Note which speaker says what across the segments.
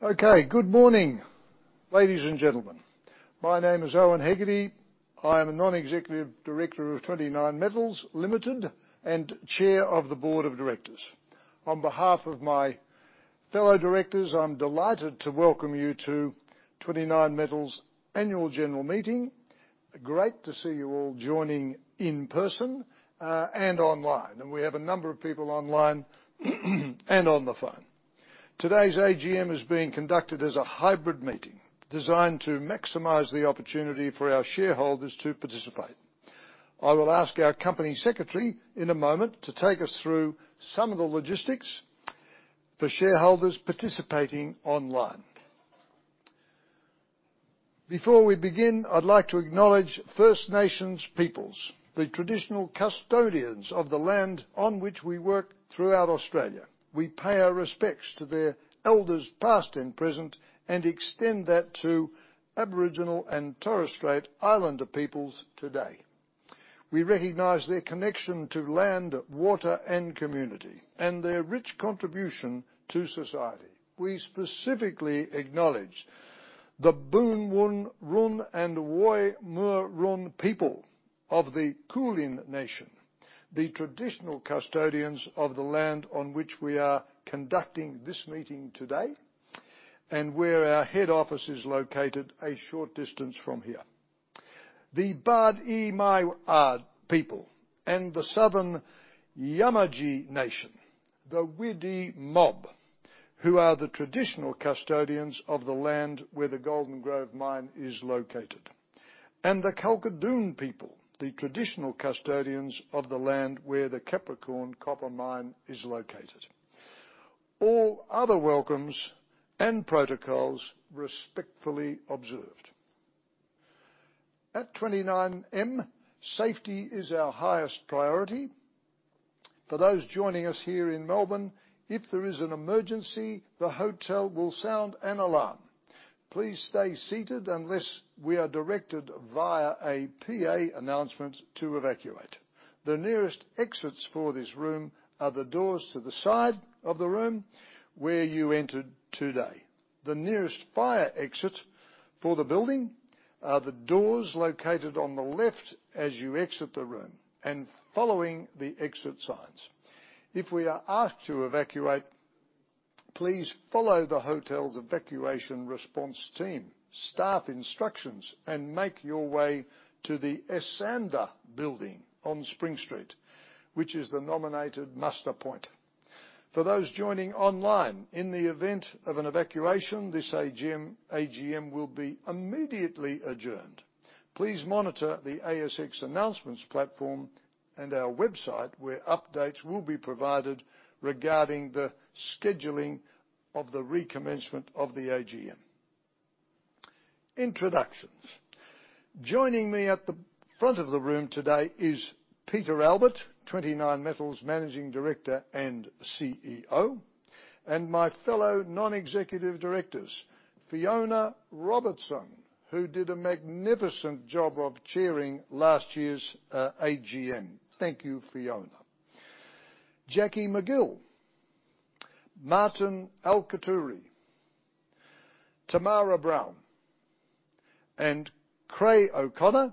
Speaker 1: Okay, good morning, ladies and gentlemen. My name is Owen Hegarty. I am a Non-Executive director of 29Metals Limited and Chair of the Board of Directors. On behalf of my fellow directors, I'm delighted to welcome you to 29Metals Annual General Meeting. Great to see you all joining in person, and online, and we have a number of people online and on the phone. Today's AGM is being conducted as a hybrid meeting, designed to maximize the opportunity for our shareholders to participate. I will ask our company secretary in a moment to take us through some of the logistics for shareholders participating online. Before we begin, I'd like to acknowledge First Nations peoples, the traditional custodians of the land on which we work throughout Australia. We pay our respects to their elders, past and present, and extend that to Aboriginal and Torres Strait Islander peoples today. We recognize their connection to land, water, and community, and their rich contribution to society. We specifically acknowledge the Boon Wurrung and Woiwurrung people of the Kulin Nation, the traditional custodians of the land on which we are conducting this meeting today, and where our head office is located a short distance from here. The Badimaya people and the Southern Yamatji Nation, the Widi mob, who are the traditional custodians of the land where the Golden Grove Mine is located, and the Kalkadoon people, the traditional custodians of the land where the Capricorn Copper Mine is located. All other welcomes and protocols respectfully observed. At 29M, safety is our highest priority. For those joining us here in Melbourne, if there is an emergency, the hotel will sound an alarm. Please stay seated unless we are directed via a PA announcement to evacuate. The nearest exits for this room are the doors to the side of the room where you entered today. The nearest fire exit for the building are the doors located on the left as you exit the room and following the exit signs. If we are asked to evacuate, please follow the hotel's evacuation response team, staff instructions, and make your way to the Esanda Building on Spring Street, which is the nominated muster point. For those joining online, in the event of an evacuation, this AGM will be immediately adjourned. Please monitor the ASX announcements platform and our website, where updates will be provided regarding the scheduling of the recommencement of the AGM. Introductions. Joining me at the front of the room today is Peter Albert, 29Metals Managing Director and CEO, and my fellow Non-Executive Directors, Fiona Robertson, who did a magnificent job of chairing last year's AGM. Thank you, Fiona. Jacqui McGill, Martin Alciaturi, Tamara Brown, and Creagh O'Connor,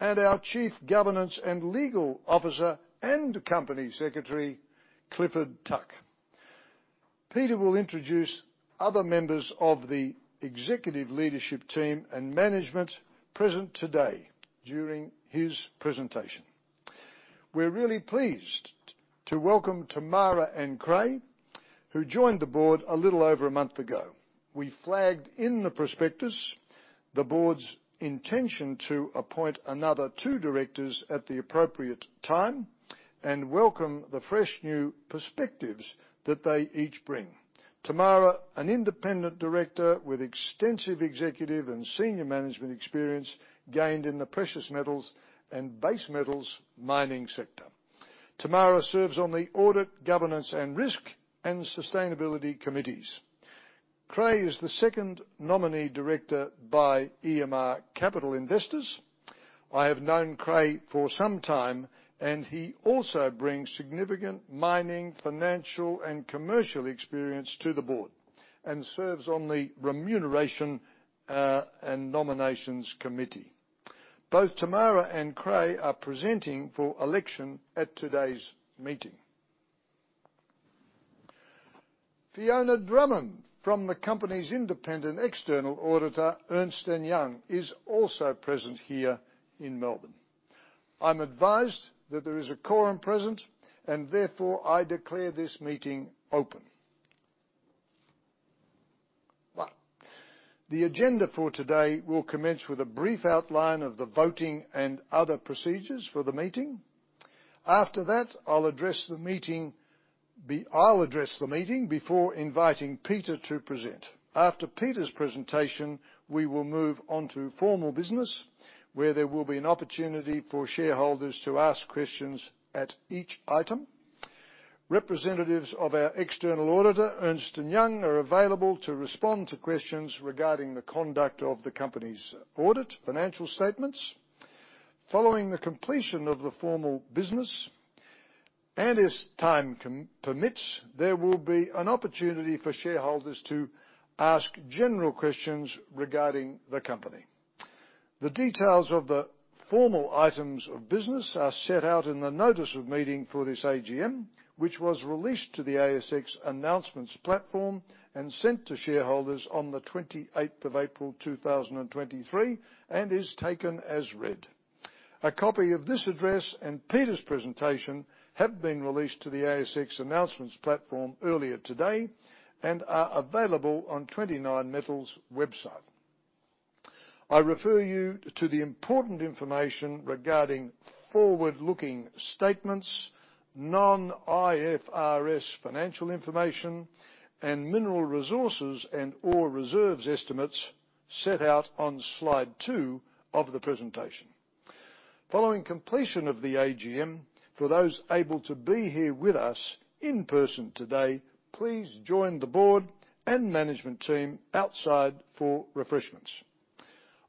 Speaker 1: and our Chief Governance and Legal Officer and Company Secretary, Clifford Tuck. Peter will introduce other members of the executive leadership team and management present today during his presentation. We're really pleased to welcome Tamara and Creagh, who joined the board a little over a month ago. We flagged in the prospectus the board's intention to appoint another two directors at the appropriate time, and welcome the fresh, new perspectives that they each bring. Tamara, an independent director with extensive executive and senior management experience gained in the precious metals and base metals mining sector. Tamara serves on the Audit, Governance and Risk and Sustainability Committees. Creagh is the second nominee director by EMR Capital Investors. I have known Creagh for some time, and he also brings significant mining, financial, and commercial experience to the board and serves on the Remuneration and Nominations Committee. Both Tamara and Creagh are presenting for election at today's meeting. Fiona Drummond, from the company's independent external auditor, Ernst & Young, is also present here in Melbourne. I'm advised that there is a quorum present, and therefore, I declare this meeting open. The agenda for today will commence with a brief outline of the voting and other procedures for the meeting. I'll address the meeting before inviting Peter to present. After Peter's presentation, we will move on to formal business, where there will be an opportunity for shareholders to ask questions at each item. Representatives of our external auditor, Ernst & Young, are available to respond to questions regarding the conduct of the company's audit, financial statements. If time permits, there will be an opportunity for shareholders to ask general questions regarding the company. The details of the formal items of business are set out in the notice of meeting for this AGM, which was released to the ASX announcements platform and sent to shareholders on the 28th of April, 2023, and is taken as read. A copy of this address and Peter's presentation have been released to the ASX announcements platform earlier today and are available on 29Metals' website. I refer you to the important information regarding forward-looking statements, non-IFRS financial information, and mineral resources and ore reserves estimates set out on slide two of the presentation. Following completion of the AGM, for those able to be here with us in person today, please join the board and management team outside for refreshments.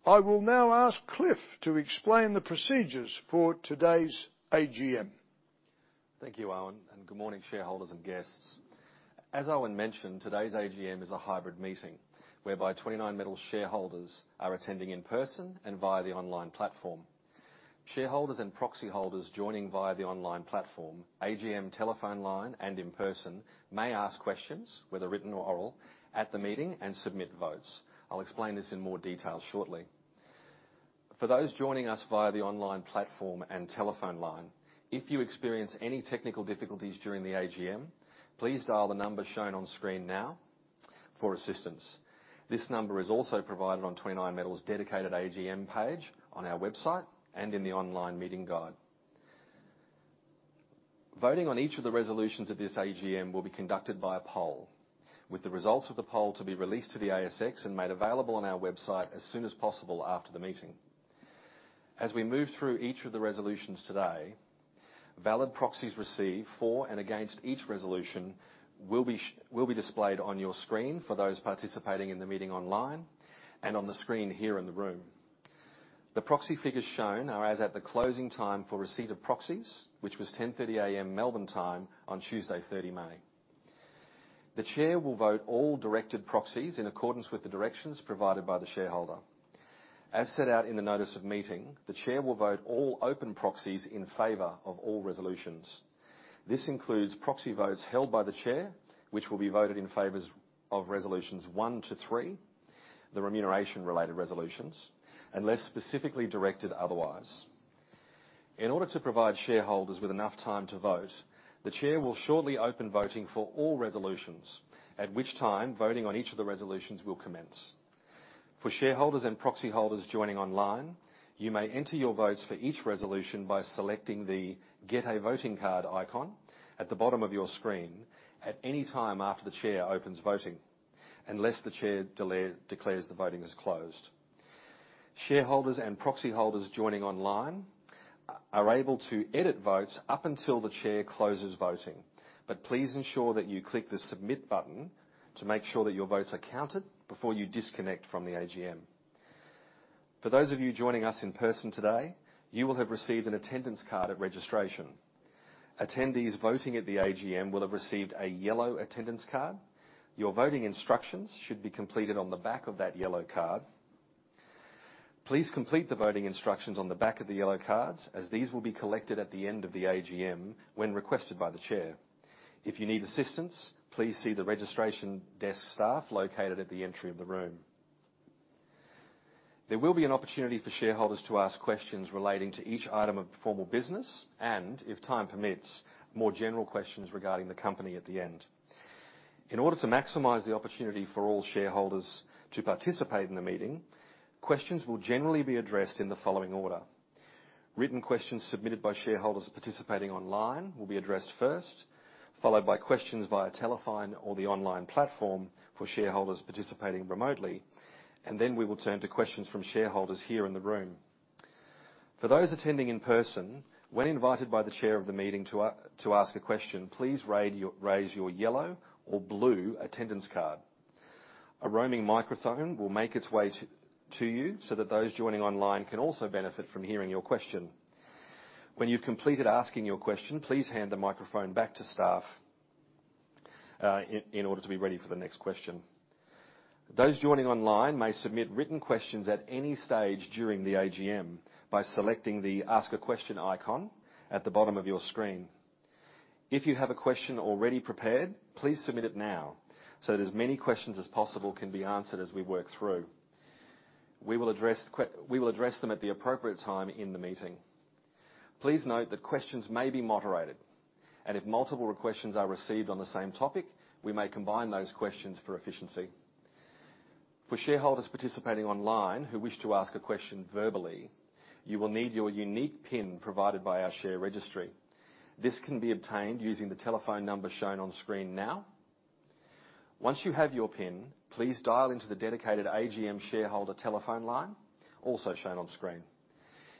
Speaker 1: I will now ask Cliff to explain the procedures for today's AGM.
Speaker 2: Thank you, Owen, and good morning, shareholders and guests. As Owen mentioned, today's AGM is a hybrid meeting, whereby 29Metals shareholders are attending in person and via the online platform. Shareholders and proxy holders joining via the online platform, AGM telephone line, and in person, may ask questions, whether written or oral, at the meeting and submit votes. I'll explain this in more detail shortly. For those joining us via the online platform and telephone line, if you experience any technical difficulties during the AGM, please dial the number shown on screen now for assistance. This number is also provided on 29Metals' dedicated AGM page, on our website, and in the online meeting guide. Voting on each of the resolutions of this AGM will be conducted by a poll, with the results of the poll to be released to the ASX and made available on our website as soon as possible after the meeting. As we move through each of the resolutions today, valid proxies received for and against each resolution will be displayed on your screen for those participating in the meeting online and on the screen here in the room. The proxy figures shown are as at the closing time for receipt of proxies, which was 10:30 A.M., Melbourne time, on Tuesday, 30 May. The Chair will vote all directed proxies in accordance with the directions provided by the shareholder. As set out in the notice of meeting, the Chair will vote all open proxies in favor of all resolutions. This includes proxy votes held by the Chair, which will be voted in favor of resolutions one to three, the remuneration-related resolutions, unless specifically directed otherwise. In order to provide shareholders with enough time to vote, the Chair will shortly open voting for all resolutions, at which time, voting on each of the resolutions will commence. For shareholders and proxy holders joining online, you may enter your votes for each resolution by selecting the Get a Voting Card icon at the bottom of your screen at any time after the Chair opens voting, unless the Chair declares the voting is closed. Shareholders and proxy holders joining online are able to edit votes up until the Chair closes voting. Please ensure that you click the Submit button to make sure that your votes are counted before you disconnect from the AGM. For those of you joining us in person today, you will have received an attendance card at registration. Attendees voting at the AGM will have received a yellow attendance card. Your voting instructions should be completed on the back of that yellow card. Please complete the voting instructions on the back of the yellow cards, as these will be collected at the end of the AGM when requested by the Chair. If you need assistance, please see the registration desk staff located at the entry of the room. There will be an opportunity for shareholders to ask questions relating to each item of formal business and, if time permits, more general questions regarding the company at the end. In order to maximize the opportunity for all shareholders to participate in the meeting, questions will generally be addressed in the following order: Written questions submitted by shareholders participating online will be addressed first, followed by questions via telephone or the online platform for shareholders participating remotely, then we will turn to questions from shareholders here in the room. For those attending in person, when invited by the Chair of the meeting to ask a question, please raise your yellow or blue attendance card. A roaming microphone will make its way to you so that those joining online can also benefit from hearing your question. When you've completed asking your question, please hand the microphone back to staff in order to be ready for the next question. Those joining online may submit written questions at any stage during the AGM by selecting the Ask a Question icon at the bottom of your screen. If you have a question already prepared, please submit it now, so that as many questions as possible can be answered as we work through. We will address them at the appropriate time in the meeting. Please note that questions may be moderated, and if multiple questions are received on the same topic, we may combine those questions for efficiency. For shareholders participating online who wish to ask a question verbally, you will need your unique PIN provided by our share registry. This can be obtained using the telephone number shown on screen now. Once you have your PIN, please dial into the dedicated AGM shareholder telephone line, also shown on screen.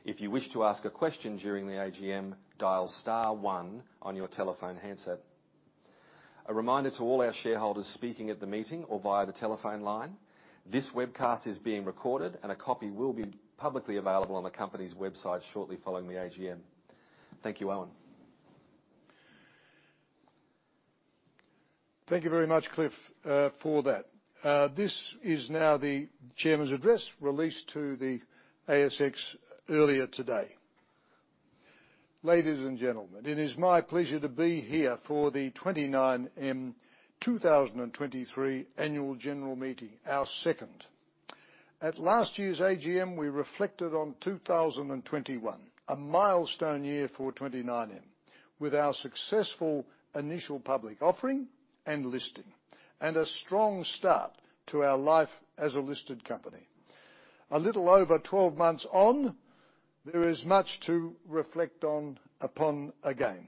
Speaker 2: If you wish to ask a question during the AGM, dial star one on your telephone handset. A reminder to all our shareholders speaking at the meeting or via the telephone line, this webcast is being recorded, and a copy will be publicly available on the company's website shortly following the AGM. Thank you, Owen.
Speaker 1: Thank you very much, Cliff, for that. This is now the chairman's address, released to the ASX earlier today. Ladies and gentlemen, it is my pleasure to be here for the 29M 2023 Annual General Meeting, our second. At last year's AGM, we reflected on 2021, a milestone year for 29M, with our successful initial public offering and listing, and a strong start to our life as a listed company. A little over 12 months on, there is much to reflect on upon again.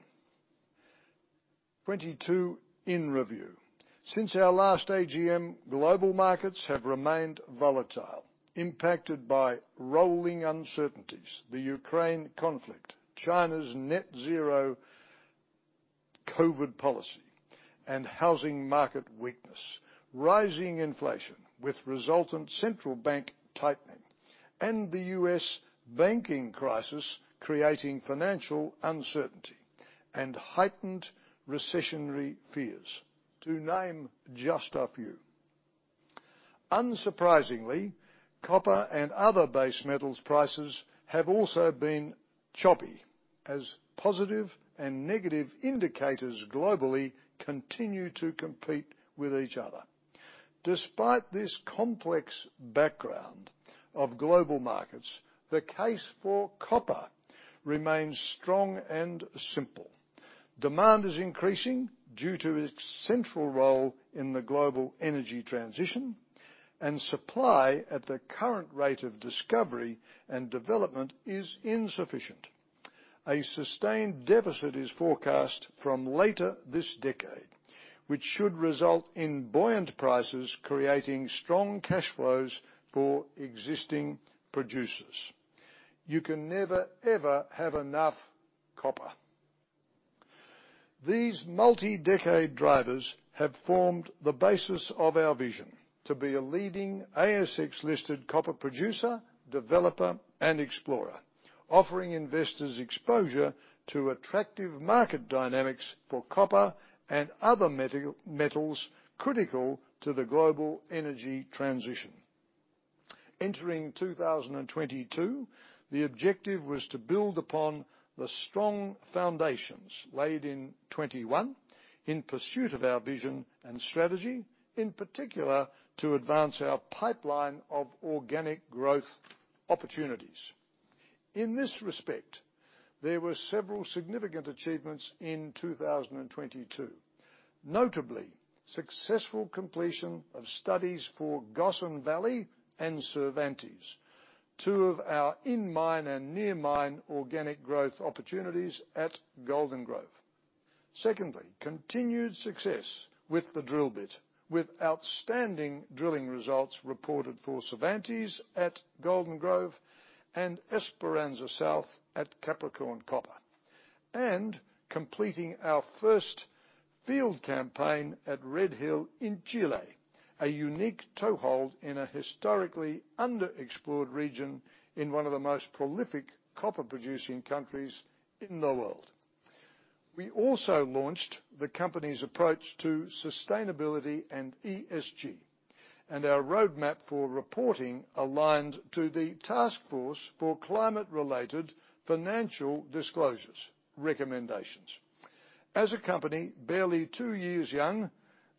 Speaker 1: 2022 in review. Since our last AGM, global markets have remained volatile, impacted by rolling uncertainties, the Ukraine conflict, China's net zero COVID policy, and housing market weakness, rising inflation with resultant central bank tightening, and the U.S. banking crisis creating financial uncertainty and heightened recessionary fears, to name just a few. Unsurprisingly, copper and other base metals prices have also been choppy, as positive and negative indicators globally continue to compete with each other. Despite this complex background of global markets, the case for copper remains strong and simple. Demand is increasing due to its central role in the global energy transition, and supply at the current rate of discovery and development is insufficient. A sustained deficit is forecast from later this decade, which should result in buoyant prices, creating strong cash flows for existing producers. You can never, ever have enough copper. These multi-decade drivers have formed the basis of our vision: to be a leading ASX-listed copper producer, developer, and explorer, offering investors exposure to attractive market dynamics for copper and other metals critical to the global energy transition. Entering 2022, the objective was to build upon the strong foundations laid in 2021 in pursuit of our vision and strategy, in particular, to advance our pipeline of organic growth opportunities. In this respect, there were several significant achievements in 2022. Notably, successful completion of studies for Gossan Valley and Cervantes, two of our in-mine and near-mine organic growth opportunities at Golden Grove. Secondly, continued success with the drill bit, with outstanding drilling results reported for Cervantes at Golden Grove and Esperanza South at Capricorn Copper. Completing our first field campaign at Red Hill in Chile, a unique toehold in a historically underexplored region in one of the most prolific copper-producing countries in the world. We also launched the company's approach to sustainability and ESG, and our roadmap for reporting aligned to the Task Force on Climate-related Financial Disclosures recommendations. As a company barely two years young,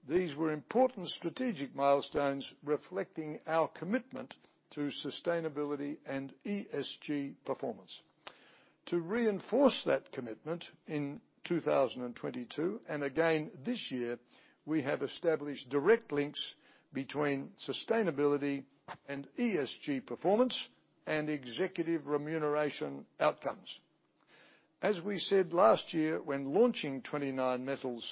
Speaker 1: these were important strategic milestones reflecting our commitment to sustainability and ESG performance. To reinforce that commitment in 2022, and again this year, we have established direct links between sustainability and ESG performance and executive remuneration outcomes. As we said last year when launching 29Metals,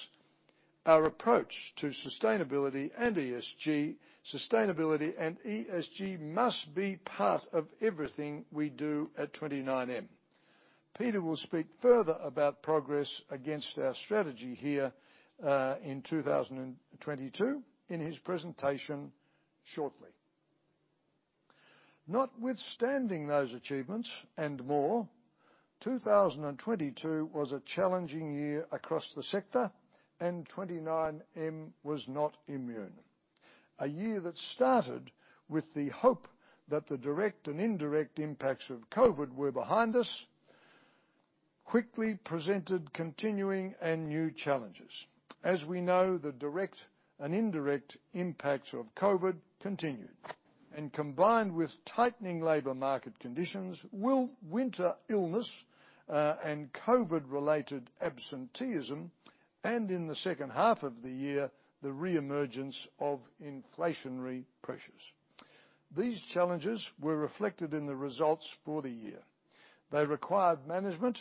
Speaker 1: our approach to sustainability and ESG, sustainability and ESG must be part of everything we do at 29M. Peter will speak further about progress against our strategy here, in 2022, in his presentation shortly. Notwithstanding those achievements and more, 2022 was a challenging year across the sector, and 29M was not immune. A year that started with the hope that the direct and indirect impacts of COVID were behind us, quickly presented continuing and new challenges. As we know, the direct and indirect impacts of COVID continued, and combined with tightening labor market conditions, winter illness and COVID-related absenteeism, and in the second half of the year, the reemergence of inflationary pressures. These challenges were reflected in the results for the year. They required management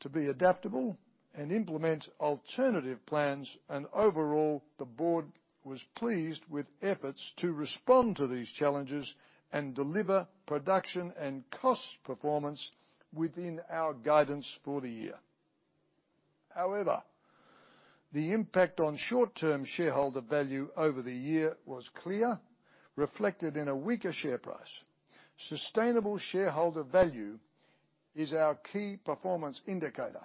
Speaker 1: to be adaptable and implement alternative plans, and overall, the board was pleased with efforts to respond to these challenges and deliver production and cost performance within our guidance for the year. The impact on short-term shareholder value over the year was clear, reflected in a weaker share price. Sustainable shareholder value is our key performance indicator,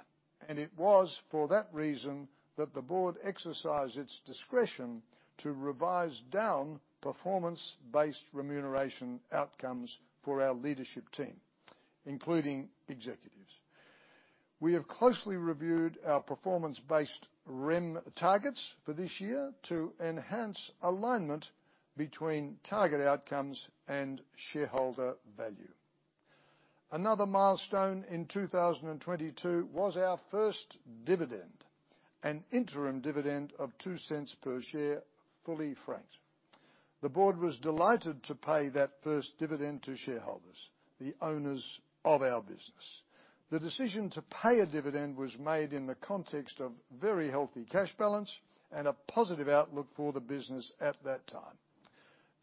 Speaker 1: and it was for that reason that the board exercised its discretion to revise down performance-based remuneration outcomes for our leadership team, including executives. We have closely reviewed our performance-based REM targets for this year to enhance alignment between target outcomes and shareholder value. Another milestone in 2022 was our first dividend, an interim dividend of 0.02 per share, fully franked. The board was delighted to pay that first dividend to shareholders, the owners of our business. The decision to pay a dividend was made in the context of very healthy cash balance and a positive outlook for the business at that time.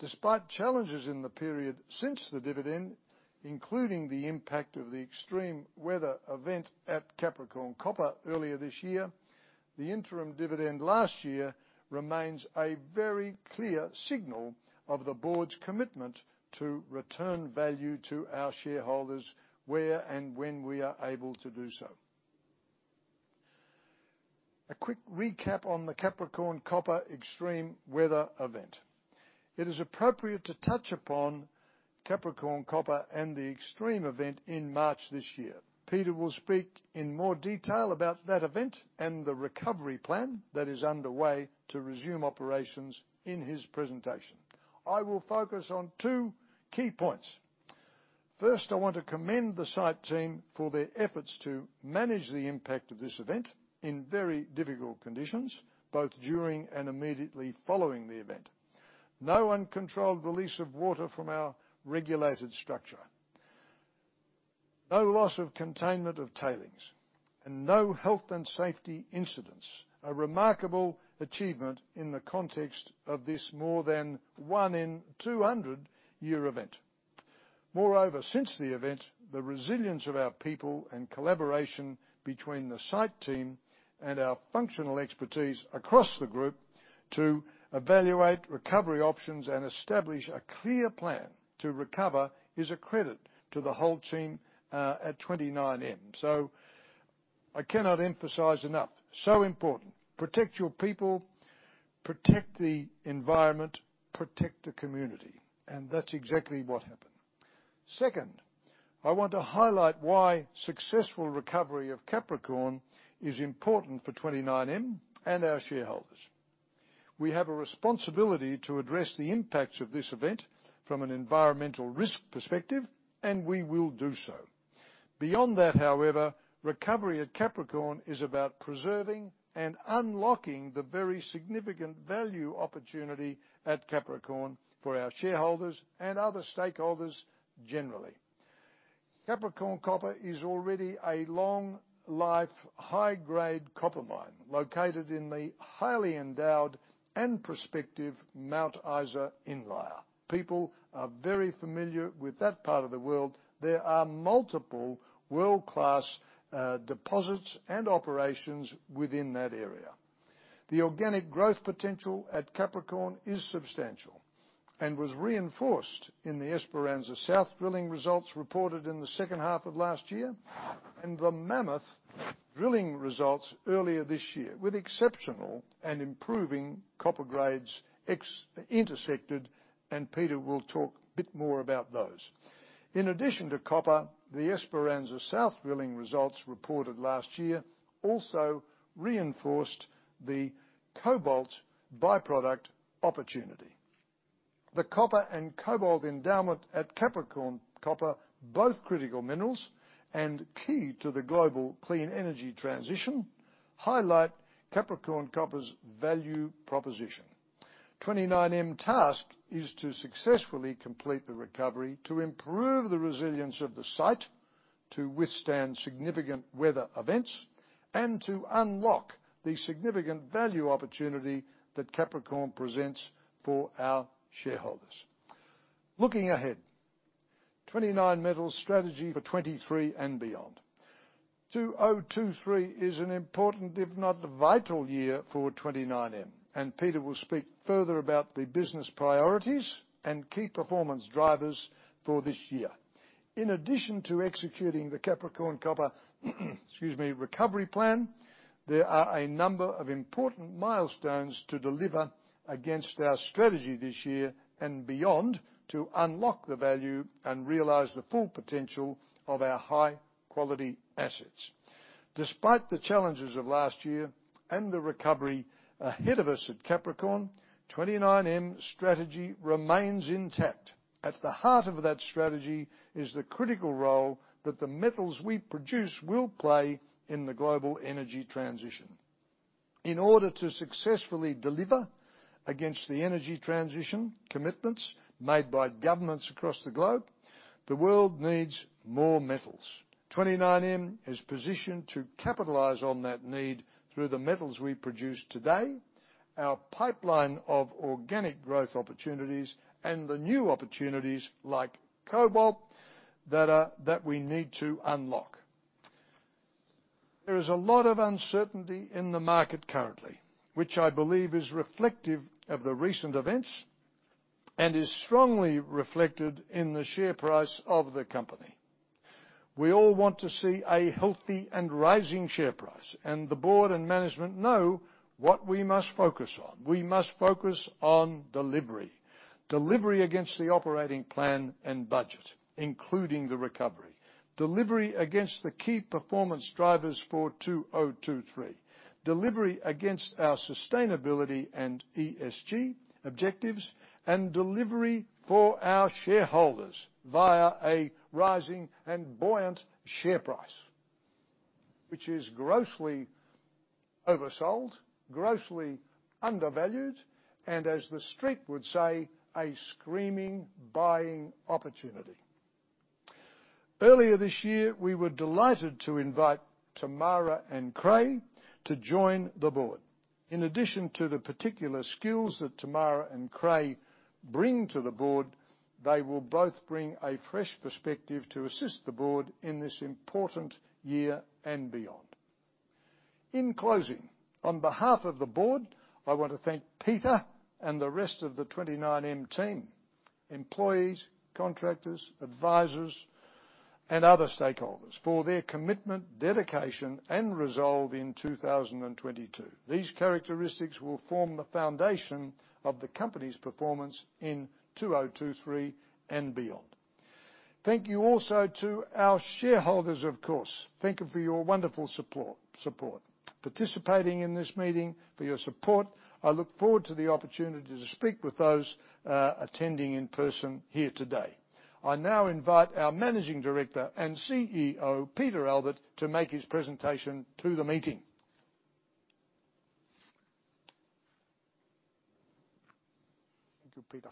Speaker 1: Despite challenges in the period since the dividend, including the impact of the extreme weather event at Capricorn Copper earlier this year, the interim dividend last year remains a very clear signal of the board's commitment to return value to our shareholders, where and when we are able to do so. A quick recap on the Capricorn Copper extreme weather event. It is appropriate to touch upon Capricorn Copper and the extreme event in March this year. Peter will speak in more detail about that event and the recovery plan that is underway to resume operations in his presentation. I will focus on two key points. First, I want to commend the site team for their efforts to manage the impact of this event in very difficult conditions, both during and immediately following the event. No uncontrolled release of water from our regulated structure, no loss of containment of tailings, and no health and safety incidents. A remarkable achievement in the context of this more than 1-in-200-year event. Moreover, since the event, the resilience of our people and collaboration between the site team and our functional expertise across the group to evaluate recovery options and establish a clear plan to recover, is a credit to the whole team at 29Metals. I cannot emphasize enough, so important, protect your people, protect the environment, protect the community, and that's exactly what happened. Second, I want to highlight why successful recovery of Capricorn is important for 29Metals and our shareholders. We have a responsibility to address the impacts of this event from an environmental risk perspective, and we will do so. Beyond that, however, recovery at Capricorn is about preserving and unlocking the very significant value opportunity at Capricorn for our shareholders and other stakeholders, generally. Capricorn Copper is already a long-life, high-grade copper mine, located in the highly endowed and prospective Mount Isa Inlier. People are very familiar with that part of the world. There are multiple world-class, deposits and operations within that area. The organic growth potential at Capricorn is substantial and was reinforced in the Esperanza South drilling results reported in the second half of last year, and the Mammoth drilling results earlier this year, with exceptional and improving copper grades intersected, and Peter will talk a bit more about those. In addition to copper, the Esperanza South drilling results reported last year also reinforced the cobalt by-product opportunity. The copper and cobalt endowment at Capricorn Copper, both critical minerals and key to the global clean energy transition, highlight Capricorn Copper's value proposition. 29M task is to successfully complete the recovery, to improve the resilience of the site, to withstand significant weather events, and to unlock the significant value opportunity that Capricorn presents for our shareholders. Looking ahead, 29Metals strategy for 23 and beyond. 2023 is an important, if not the vital, year for 29M, Peter will speak further about the business priorities and key performance drivers for this year. In addition to executing the Capricorn Copper, excuse me, recovery plan, there are a number of important milestones to deliver against our strategy this year and beyond, to unlock the value and realize the full potential of our high-quality assets. Despite the challenges of last year and the recovery ahead of us at Capricorn, 29M strategy remains intact. At the heart of that strategy is the critical role that the metals we produce will play in the global energy transition. In order to successfully deliver against the energy transition commitments made by governments across the globe, the world needs more metals. 29M is positioned to capitalize on that need through the metals we produce today, our pipeline of organic growth opportunities, and the new opportunities, like cobalt, that we need to unlock. There is a lot of uncertainty in the market currently, which I believe is reflective of the recent events, and is strongly reflected in the share price of the company. We all want to see a healthy and rising share price, and the board and management know what we must focus on. We must focus on delivery. Delivery against the operating plan and budget, including the recovery. Delivery against the key performance drivers for 2023. Delivery against our sustainability and ESG objectives, and delivery for our shareholders via a rising and buoyant share price, which is grossly oversold, grossly undervalued, and as the Street would say, a screaming buying opportunity. Earlier this year, we were delighted to invite Tamara and Creagh to join the board. In addition to the particular skills that Tamara and Creagh bring to the board, they will both bring a fresh perspective to assist the board in this important year and beyond. In closing, on behalf of the board, I want to thank Peter and the rest of the 29M team, employees, contractors, advisors, and other stakeholders for their commitment, dedication, and resolve in 2022. These characteristics will form the foundation of the company's performance in 2023 and beyond. Thank you also to our shareholders, of course. Thank you for your wonderful support. Participating in this meeting, for your support, I look forward to the opportunity to speak with those attending in person here today. I now invite our Managing Director and CEO, Peter Albert, to make his presentation to the meeting. Thank you,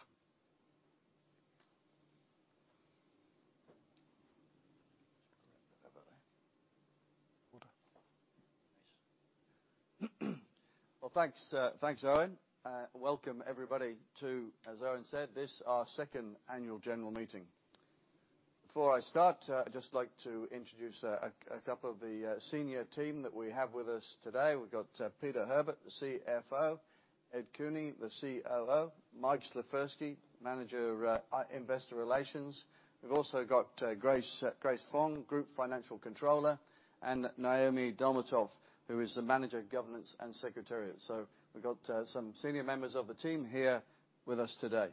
Speaker 1: Peter.
Speaker 3: Well, thanks, Owen. Welcome, everybody, to, as Owen said, this, our second annual general meeting. Before I start, I'd just like to introduce a couple of the senior team that we have with us today. We've got Peter Herbert, the CFO, Ed Cooney, the COO, Mike Slifirski, Manager, Investor Relations. We've also got Grace Fong, Group Financial Controller, and Naomi Dolmatoff, who is the Manager of Governance and Secretariat. We've got some senior members of the team here with us today.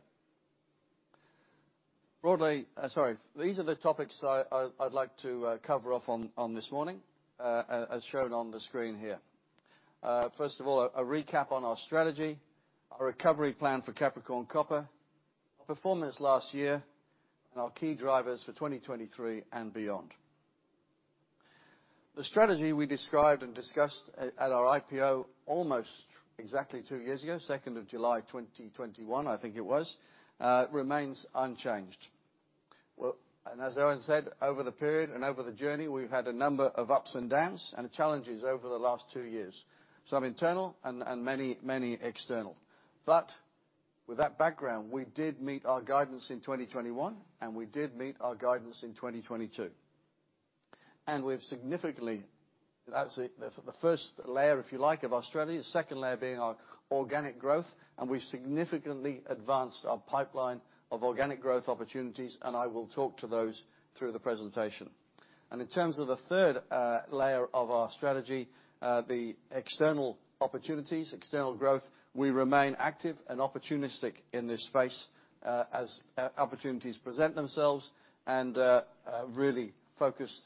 Speaker 3: Broadly, sorry, these are the topics I'd like to cover off this morning, as shown on the screen here. First of all, a recap on our strategy, our recovery plan for Capricorn Copper, our performance last year, and our key drivers for 2023 and beyond. The strategy we described and discussed at our IPO almost exactly two years ago, second of July, 2021, I think it was, remains unchanged. Well, as Owen said, over the period and over the journey, we've had a number of ups and downs and challenges over the last two years, some internal and many external. With that background, we did meet our guidance in 2021, and we did meet our guidance in 2022. That's the first layer, if you like, of our strategy, the second layer being our organic growth, and we've significantly advanced our pipeline of organic growth opportunities, and I will talk to those through the presentation. In terms of the third layer of our strategy, the external opportunities, external growth, we remain active and opportunistic in this space, as opportunities present themselves, and really focused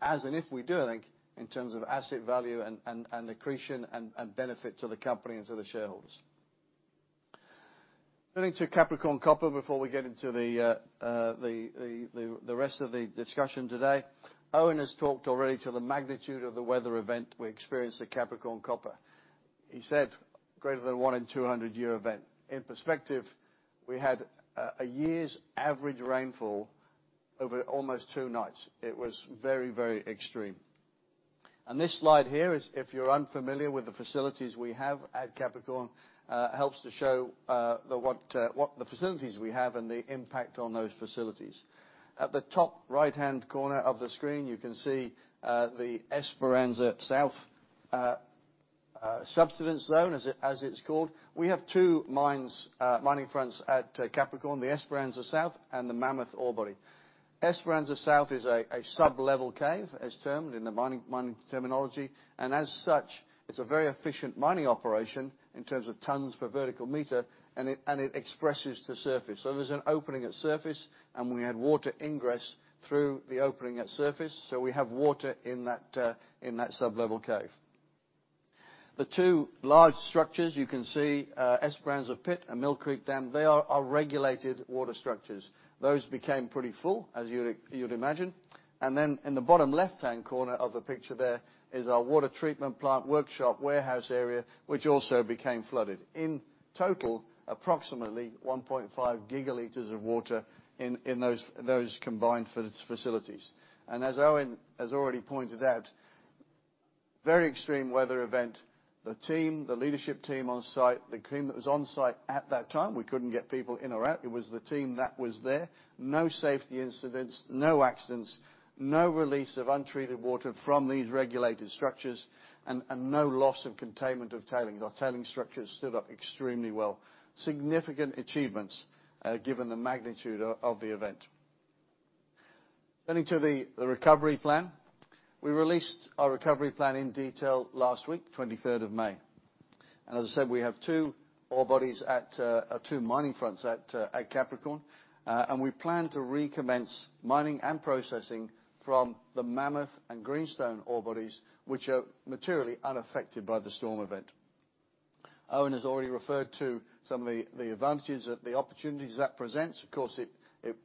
Speaker 3: as and if we do anything in terms of asset value and accretion and benefit to the company and to the shareholders. Turning to Capricorn Copper before we get into the rest of the discussion today, Owen has talked already to the magnitude of the weather event we experienced at Capricorn Copper. He said, greater than 1-in-200 year event. In perspective, we had a year's average rainfall over almost two nights. It was very extreme. This slide here is, if you're unfamiliar with the facilities we have at Capricorn, helps to show the what the facilities we have and the impact on those facilities. At the top right-hand corner of the screen, you can see the Esperanza South subsidence zone, as it's called. We have two mines, mining fronts at Capricorn, the Esperanza South and the Mammoth Ore Body. Esperanza South is a sublevel cave, as termed in the mining terminology, and as such, it's a very efficient mining operation in terms of tons per vertical meter, and it expresses to surface. There's an opening at surface, and we had water ingress through the opening at surface, so we have water in that sublevel cave. The two large structures, you can see, Esperanza Pit and Mill Creek Dam, they are our regulated water structures. Those became pretty full, as you'd imagine. In the bottom left-hand corner of the picture there is our water treatment plant, workshop, warehouse area, which also became flooded. In total, approximately 1.5 gigaliters of water in those combined facilities. As Owen has already pointed out, Very extreme weather event. The team, the leadership team on site, the team that was on site at that time, we couldn't get people in or out. It was the team that was there. No safety incidents, no accidents, no release of untreated water from these regulated structures, and no loss of containment of tailing. Our tailing structures stood up extremely well. Significant achievements, given the magnitude of the event. Turning to the recovery plan. We released our recovery plan in detail last week, 23rd of May. As I said, we have two ore bodies at, or two mining fronts at Capricorn, and we plan to recommence mining and processing from the Mammoth and Greenstone ore bodies, which are materially unaffected by the storm event. Owen has already referred to some of the advantages that the opportunities that presents. Of course,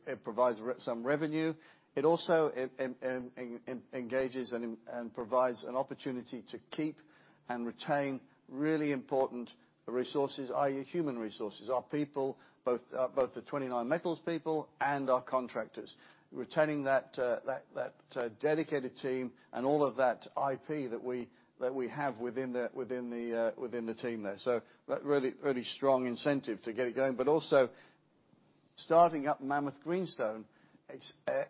Speaker 3: it provides some revenue. It also engages and provides an opportunity to keep and retain really important resources, i.e., human resources, our people, both the 29Metals people and our contractors. Retaining that dedicated team and all of that IP that we have within the team there. That really strong incentive to get it going, but also starting up Mammoth Greenstone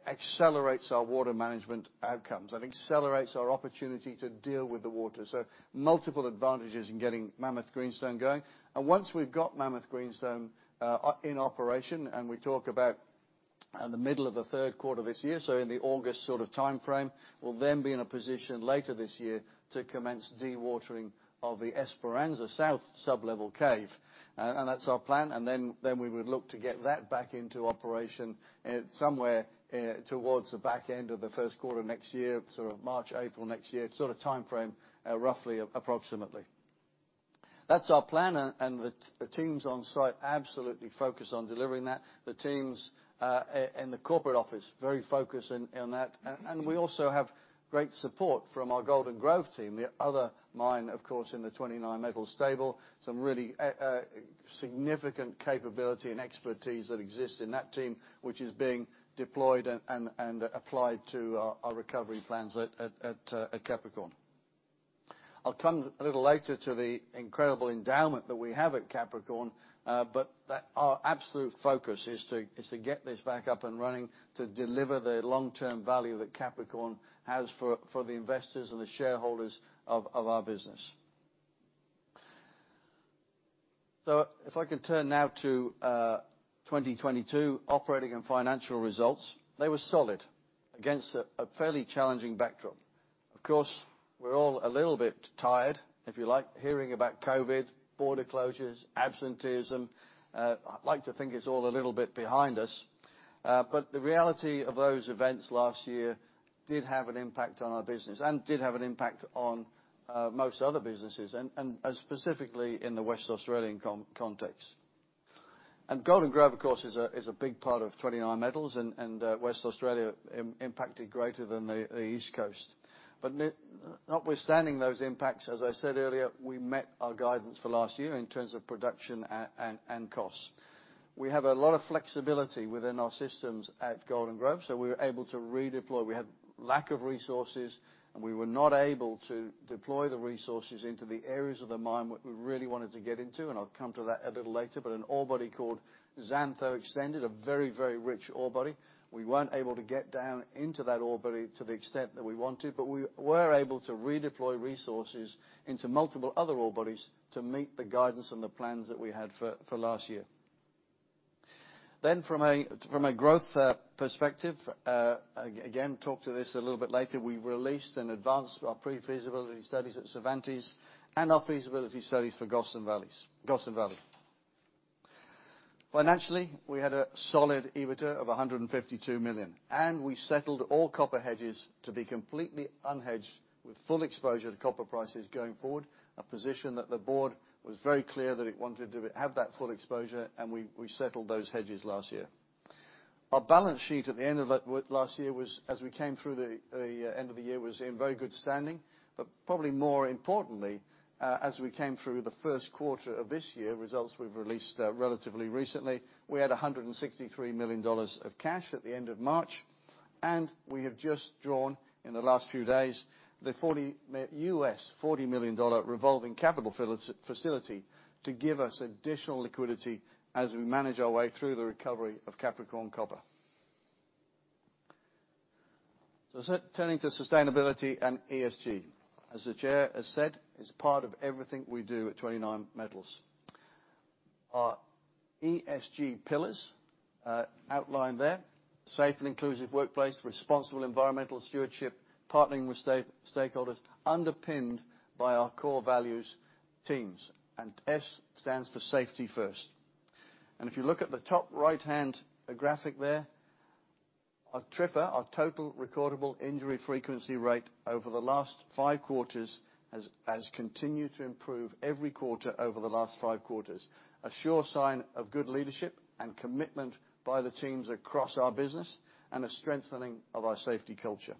Speaker 3: accelerates our water management outcomes and accelerates our opportunity to deal with the water. Multiple advantages in getting Mammoth Greenstone going. Once we've got Mammoth Greenstone in operation, and we talk about the middle of the third quarter this year, in the August sort of timeframe, we'll then be in a position later this year to commence dewatering of the Esperanza South sublevel cave. That's our plan, and then we would look to get that back into operation somewhere towards the back end of the first quarter next year, sort of March, April next year, sort of timeframe, roughly, approximately. That's our plan, and the teams on site absolutely focus on delivering that. The teams in the corporate office, very focused on that. We also have great support from our Golden Grove team, the other mine, of course, in the 29Metals stable. Some really significant capability and expertise that exists in that team, which is being deployed and applied to our recovery plans at Capricorn. I'll come a little later to the incredible endowment that we have at Capricorn. Our absolute focus is to get this back up and running, to deliver the long-term value that Capricorn has for the investors and the shareholders of our business. If I can turn now to 2022 operating and financial results. They were solid against a fairly challenging backdrop. Of course, we're all a little bit tired, if you like, hearing about COVID, border closures, absenteeism. I'd like to think it's all a little bit behind us, but the reality of those events last year did have an impact on our business and did have an impact on most other businesses, and specifically in the Western Australian context. Golden Grove, of course, is a big part of 29Metals, and Western Australia impacted greater than the East Coast. Notwithstanding those impacts, as I said earlier, we met our guidance for last year in terms of production and costs. We have a lot of flexibility within our systems at Golden Grove, so we were able to redeploy. We had lack of resources. We were not able to deploy the resources into the areas of the mine what we really wanted to get into. I'll come to that a little later. An ore body called Xantho Extended, a very, very rich ore body. We weren't able to get down into that ore body to the extent that we wanted. We were able to redeploy resources into multiple other ore bodies to meet the guidance and the plans that we had for last year. From a, from a growth perspective, again, talk to this a little bit later, we released and advanced our pre-feasibility studies at Cervantes and our feasibility studies for Gossan Valley. Financially, we had a solid EBITDA of 152 million, and we settled all copper hedges to be completely unhedged, with full exposure to copper prices going forward, a position that the board was very clear that it wanted to have that full exposure, and we settled those hedges last year. Our balance sheet at the end of that last year was, as we came through the end of the year, was in very good standing. Probably more importantly, as we came through the first quarter of this year, results we've released relatively recently, we had 163 million dollars of cash at the end of March, and we have just drawn, in the last few days, the U.S. $40 million revolving capital facility to give us additional liquidity as we manage our way through the recovery of Capricorn Copper. Turning to sustainability and ESG. As the Chair has said, it's part of everything we do at 29Metals. Our ESG pillars outlined there, safe and inclusive workplace, responsible environmental stewardship, partnering with stakeholders, underpinned by our core values teams, S stands for safety first. If you look at the top right-hand graphic there, our TRIFR, our total recordable injury frequency rate, over the last five quarters has continued to improve every quarter over the last five quarters. A sure sign of good leadership and commitment by the teams across our business and a strengthening of our safety culture.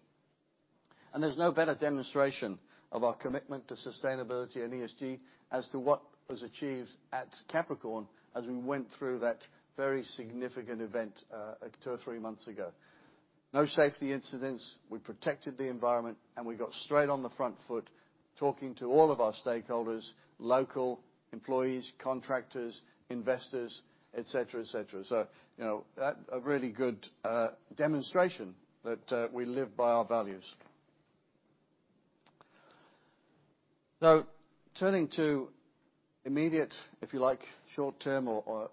Speaker 3: There's no better demonstration of our commitment to sustainability and ESG as to what was achieved at Capricorn as we went through that very significant event two or three months ago. No safety incidents, we protected the environment, and we got straight on the front foot talking to all of our stakeholders, local employees, contractors, investors, et cetera, et cetera. You know, that a really good demonstration that we live by our values. Now, turning to immediate, if you like, short-term or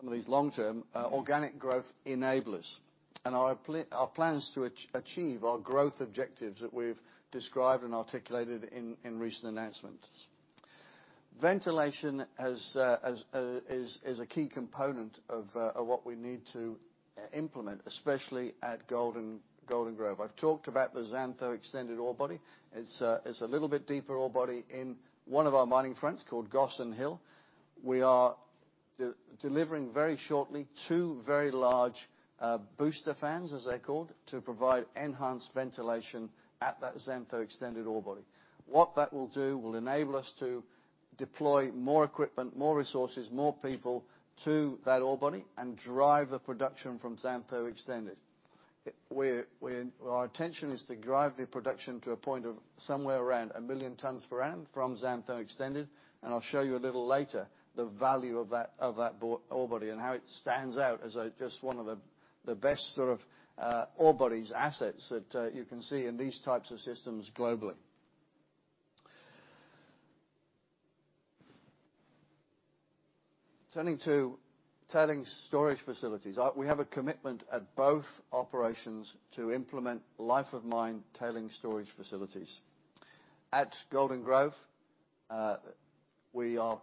Speaker 3: some of these long-term organic growth enablers, and our plans to achieve our growth objectives that we've described and articulated in recent announcements. Ventilation as is a key component of what we need to implement, especially at Golden Grove. I've talked about the Xantho Extended ore body. It's a little bit deeper ore body in one of our mining fronts called Gossan Hill. We are delivering very shortly, two very large booster fans, as they're called, to provide enhanced ventilation at that Xantho Extended ore body. What that will do, will enable us to deploy more equipment, more resources, more people to that ore body and drive the production from Xantho Extended. Our intention is to drive the production to a point of somewhere around 1 million tons per annum from Xantho Extended, and I'll show you a little later the value of that ore body and how it stands out as just one of the best sort of ore bodies, assets that you can see in these types of systems globally. Turning to tailing storage facilities. We have a commitment at both operations to implement life of mine tailing storage facilities. At Golden Grove, we are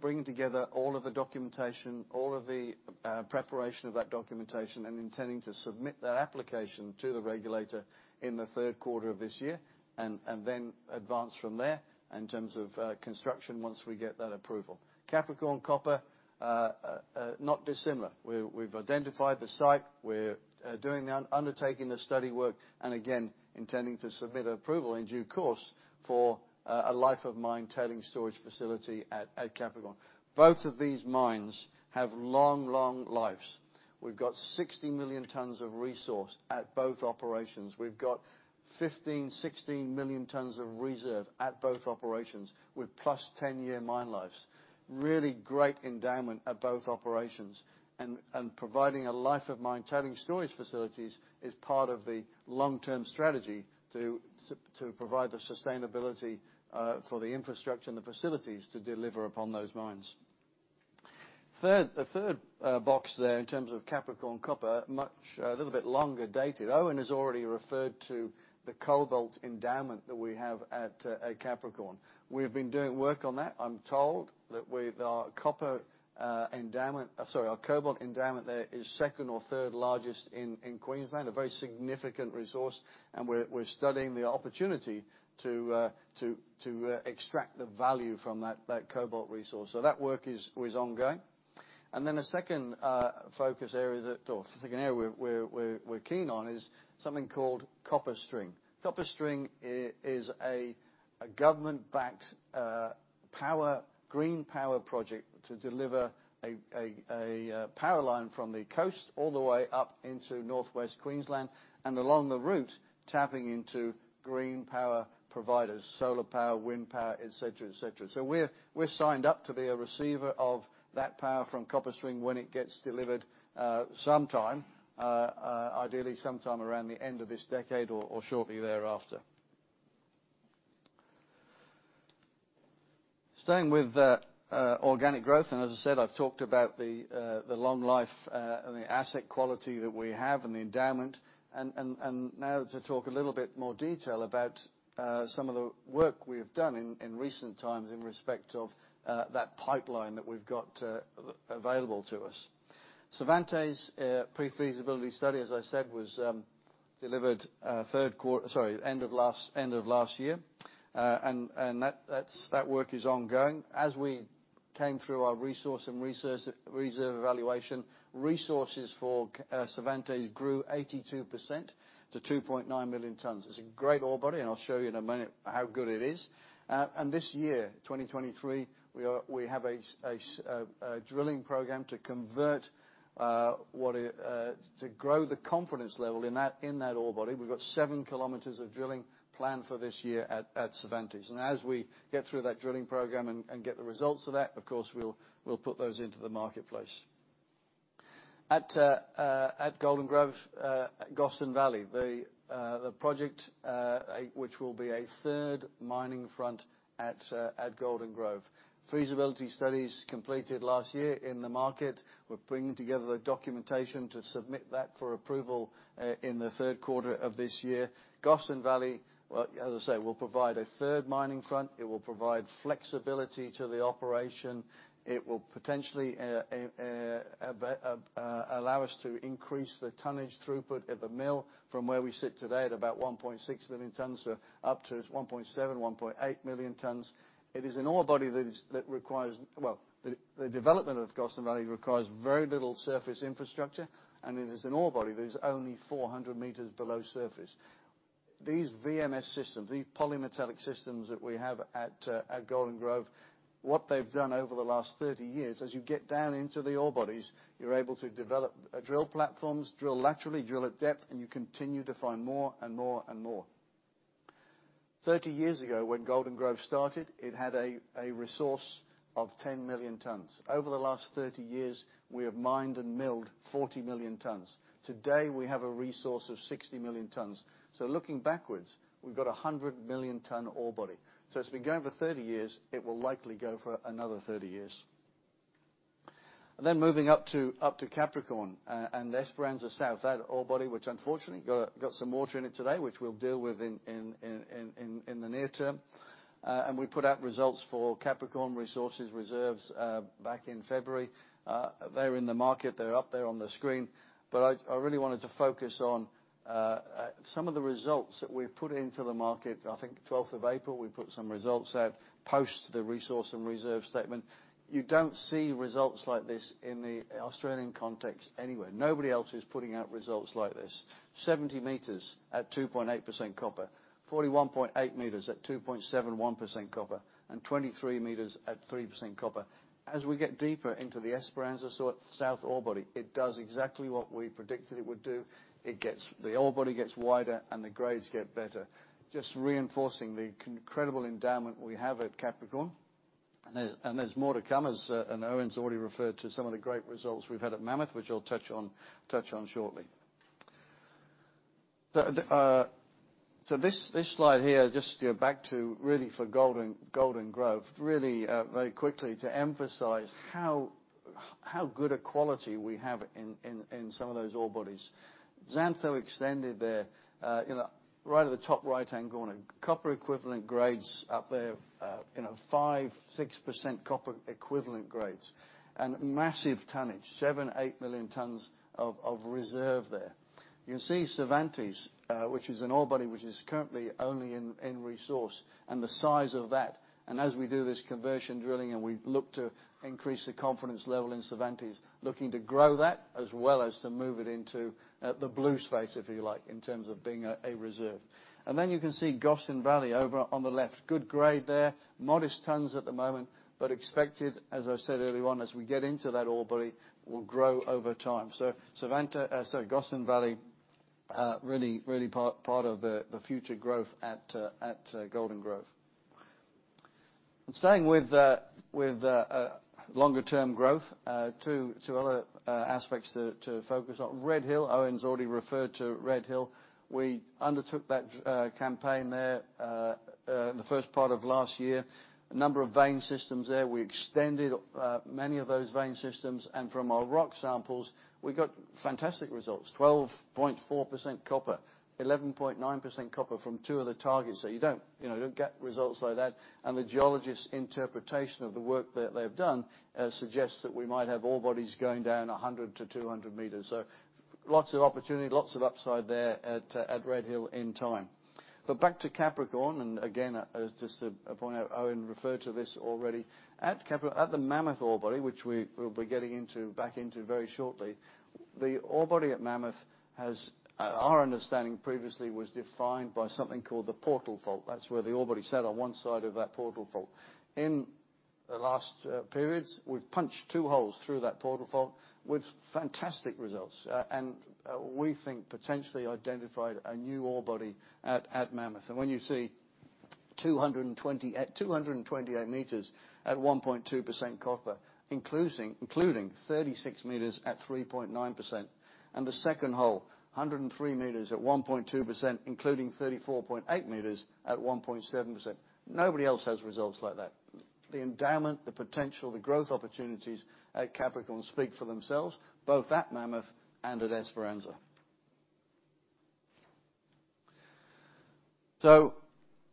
Speaker 3: bringing together all of the documentation, all of the preparation of that documentation, and intending to submit that application to the regulator in the third quarter of this year, and then advance from there in terms of construction once we get that approval. Capricorn Copper, not dissimilar. We've identified the site, we're undertaking the study work, and again, intending to submit approval in due course for a life-of-mine tailing storage facility at Capricorn. Both of these mines have long lives. We've got 60 million tons of resource at both operations. We've got 15, 16 million tons of reserve at both operations, with +10-year mine lives. Really great endowment at both operations, and providing a life of mine tailing storage facilities is part of the long-term strategy to provide the sustainability for the infrastructure and the facilities to deliver upon those mines. The third box there, in terms of Capricorn Copper, a little bit longer dated. Owen has already referred to the cobalt endowment that we have at Capricorn. We've been doing work on that. I'm told that with our copper endowment, sorry, our cobalt endowment there is second or third largest in Queensland, a very significant resource, and we're studying the opportunity to extract the value from that cobalt resource. That work is ongoing. The second focus area that, or second area we're keen on, is something called CopperString. CopperString is a government-backed power, green power project to deliver a power line from the coast all the way up into northwest Queensland, and along the route, tapping into green power providers: solar power, wind power, et cetera, et cetera. We're signed up to be a receiver of that power from CopperString when it gets delivered ideally sometime around the end of this decade or shortly thereafter. Staying with organic growth, as I said, I've talked about the long life and the asset quality that we have and the endowment, and now to talk a little bit more detail about some of the work we've done in recent times in respect of that pipeline that we've got available to us. Cervantes pre-feasibility study, as I said, was delivered third quarter, sorry, end of last year. That work is ongoing. As we came through our resource and reserve evaluation, resources for Cervantes grew 82% to 2.9 million tons. It's a great ore body, and I'll show you in a minute how good it is. This year, 2023, we have a drilling program to convert to grow the confidence level in that ore body. We've got 7 km of drilling planned for this year at Cervantes. As we get through that drilling program and get the results of that, of course, we'll put those into the marketplace. At Golden Grove, at Gossan Valley, the project, which will be a third mining front at Golden Grove. Feasibility studies completed last year in the market. We're bringing together the documentation to submit that for approval in the third quarter of this year. Gossan Valley, well, as I say, will provide a third mining front. It will provide flexibility to the operation. It will potentially allow us to increase the tonnage throughput at the mill from where we sit today at about 1.6 million tons to up to 1.7 million-1.8 million tons. It is an ore body that requires. Well, the development of Gossan Valley requires very little surface infrastructure. It is an ore body that is only 400 meters below surface. These VMS systems, these polymetallic systems that we have at Golden Grove, what they've done over the last 30 years, as you get down into the ore bodies, you're able to develop drill platforms, drill laterally, drill at depth, and you continue to find more and more and more. 30 years ago, when Golden Grove started, it had a resource of 10 million tons. Over the last 30 years, we have mined and milled 40 million tons. Today, we have a resource of 60 million tons. Looking backwards, we've got a 100 million ton ore body. It's been going for 30 years, it will likely go for another 30 years. Moving up to Capricorn and Esperanza South, that ore body, which unfortunately got some water in it today, which we'll deal with in the near term. We put out results for Capricorn resources reserves back in February. They're in the market, they're up there on the screen. I really wanted to focus on some of the results that we've put into the market. I think 12th of April, we put some results out, post the resource and reserve statement. You don't see results like this in the Australian context anywhere. Nobody else is putting out results like this. 70 meters at 2.8% copper, 41.8 meters at 2.71% copper, and 23 meters at 3% copper. As we get deeper into the Esperanza South ore body, it does exactly what we predicted it would do. The ore body gets wider, and the grades get better, just reinforcing the incredible endowment we have at Capricorn. There, and there's more to come, as, and Owen's already referred to some of the great results we've had at Mammoth, which I'll touch on shortly. The... This slide here, just, you know, back to really for Golden Grove, really, very quickly, to emphasize how good a quality we have in some of those ore bodies. Xantho Extended there, you know, right at the top right-hand corner, copper equivalent grades up there, you know, 5-6% copper equivalent grades, and massive tonnage, 7 million-8 million tons of reserve there. You'll see Cervantes, which is an ore body which is currently only in resource, and the size of that. As we do this conversion drilling, and we look to increase the confidence level in Cervantes, looking to grow that as well as to move it into the blue space, if you like, in terms of being a reserve. Then you can see Gossan Valley over on the left. Good grade there, modest tons at the moment, expected, as I said earlier on, as we get into that ore body, will grow over time. Cervantes, sorry, Gossan Valley, really part of the future growth at Golden Grove. Staying with longer-term growth, two other aspects to focus on. Red Hill, Owen's already referred to Red Hill. We undertook that campaign there the first part of last year. A number of vein systems there. We extended many of those vein systems, and from our rock samples, we got fantastic results, 12.4% copper, 11.9% copper from two of the targets. You don't, you know, you don't get results like that, and the geologist's interpretation of the work that they've done, suggests that we might have ore bodies going down 100 to 200 meters. Lots of opportunity, lots of upside there at Red Hill in time. Back to Capricorn, and again, as just to point out, Owen referred to this already. At Capricorn, at the Mammoth ore body, which we will be getting into, back into very shortly, the ore body at Mammoth has, at our understanding, previously was defined by something called the Portal Fault. That's where the ore body sat on one side of that Portal Fault. In the last periods, we've punched two holes through that Portal Fault with fantastic results, and we think potentially identified a new ore body at Mammoth. When you see 228 meters at 1.2% copper, including 36 meters at 3.9%, and the second hole, 103 meters at 1.2%, including 34.8 meters at 1.7%. Nobody else has results like that. The endowment, the potential, the growth opportunities at Capricorn speak for themselves, both at Mammoth and at Esperanza.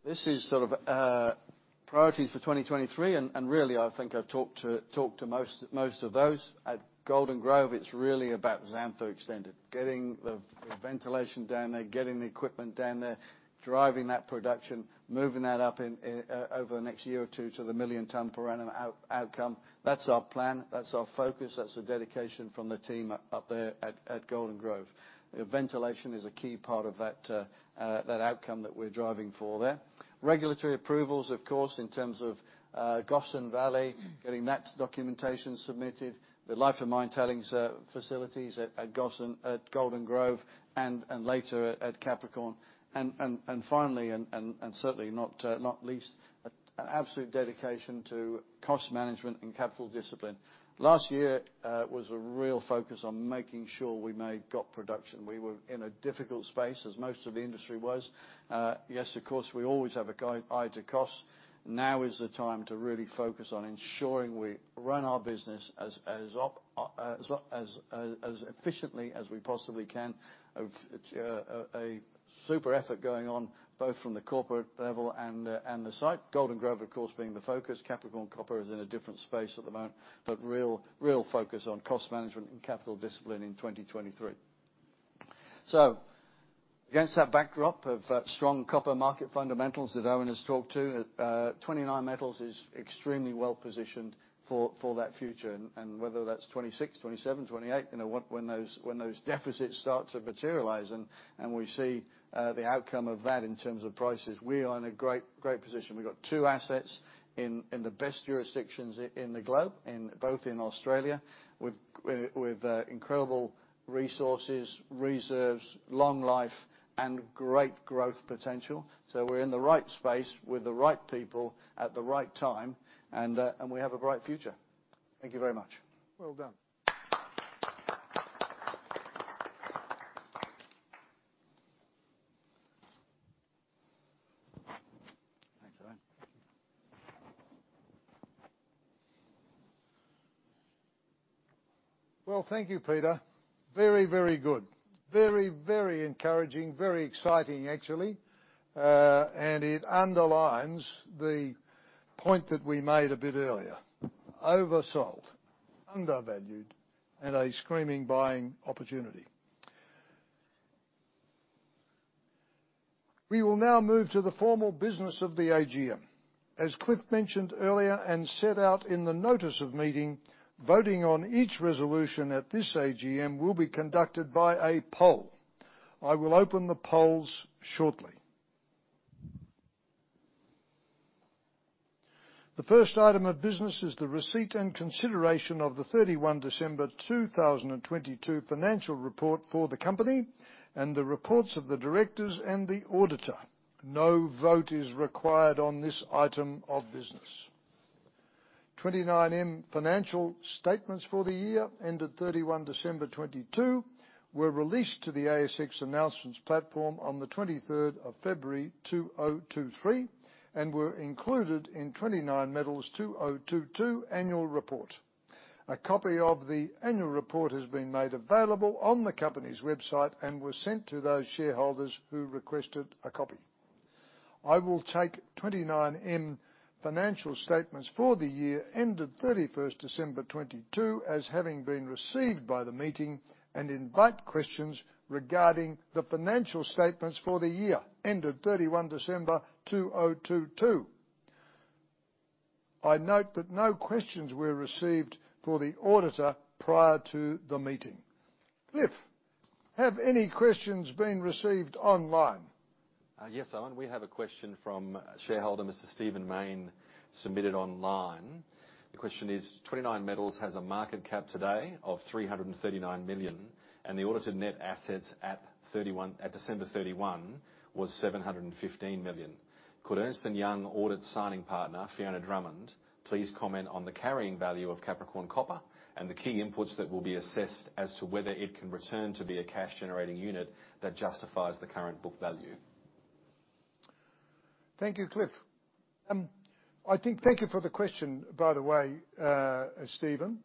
Speaker 3: This is sort of priorities for 2023, and really, I think I've talked to most of those. At Golden Grove, it's really about Xantho Extended, getting the ventilation down there, getting the equipment down there, driving that production, moving that up over the next year or two to the 1 million ton per annum out-outcome. That's our plan, that's our focus, that's the dedication from the team up there at Golden Grove. Ventilation is a key part of that outcome that we're driving for there. Regulatory approvals, of course, in terms of Gossan Valley, getting that documentation submitted, the life of mine tailings facilities at Gossan, at Golden Grove, and later at Capricorn. Finally, certainly not least, an absolute dedication to cost management and capital discipline. Last year was a real focus on making sure we got production. We were in a difficult space, as most of the industry was. Yes, of course, we always have an eye to cost. Now is the time to really focus on ensuring we run our business as efficiently as we possibly can. A super effort going on, both from the corporate level and the site. Golden Grove, of course, being the focus. Capricorn Copper is in a different space at the moment, but real focus on cost management and capital discipline in 2023. Against that backdrop of strong copper market fundamentals that Owen has talked to, 29Metals is extremely well positioned for that future. Whether that's '26, '27, '28, you know, when those deficits start to materialize and we see the outcome of that in terms of prices, we are in a great position. We've got two assets in the best jurisdictions in the globe, in both in Australia, with incredible resources, reserves, long life, and great growth potential. We're in the right space with the right people at the right time, and we have a bright future. Thank you very much.
Speaker 1: Well done.
Speaker 3: Thanks, Owen.
Speaker 1: Thank you, Peter. Very, very good. Very, very encouraging. Very exciting, actually. It underlines the point that we made a bit earlier: oversold, undervalued, and a screaming buying opportunity. We will now move to the formal business of the AGM. As Cliff mentioned earlier and set out in the notice of meeting, voting on each resolution at this AGM will be conducted by a poll. I will open the polls shortly. The first item of business is the receipt and consideration of the 31 December 2022 financial report for the company, and the reports of the directors and the auditor. No vote is required on this item of business. 29M financial statements for the year ended December 31, 2022, were released to the ASX announcements platform on the 23rd of February, 2023, and were included in 29Metals 2022 annual report. A copy of the annual report has been made available on the company's website and was sent to those shareholders who requested a copy. I will take 29M financial statements for the year ended December 31st, 2022, as having been received by the meeting, and invite questions regarding the financial statements for the year ended December 31, 2022. I note that no questions were received for the auditor prior to the meeting. Cliff, have any questions been received online?
Speaker 2: Yes, Owen. We have a question from shareholder, Mr. Steven Mayne, submitted online. The question is: 29Metals has a market cap today of 339 million, and the audited net assets at December 31, was 715 million. Could Ernst & Young audit signing partner, Fiona Drummond, please comment on the carrying value of Capricorn Copper, and the key inputs that will be assessed as to whether it can return to be a cash-generating unit that justifies the current book value?
Speaker 1: Thank you, Cliff. I think thank you for the question, by the way, Steven.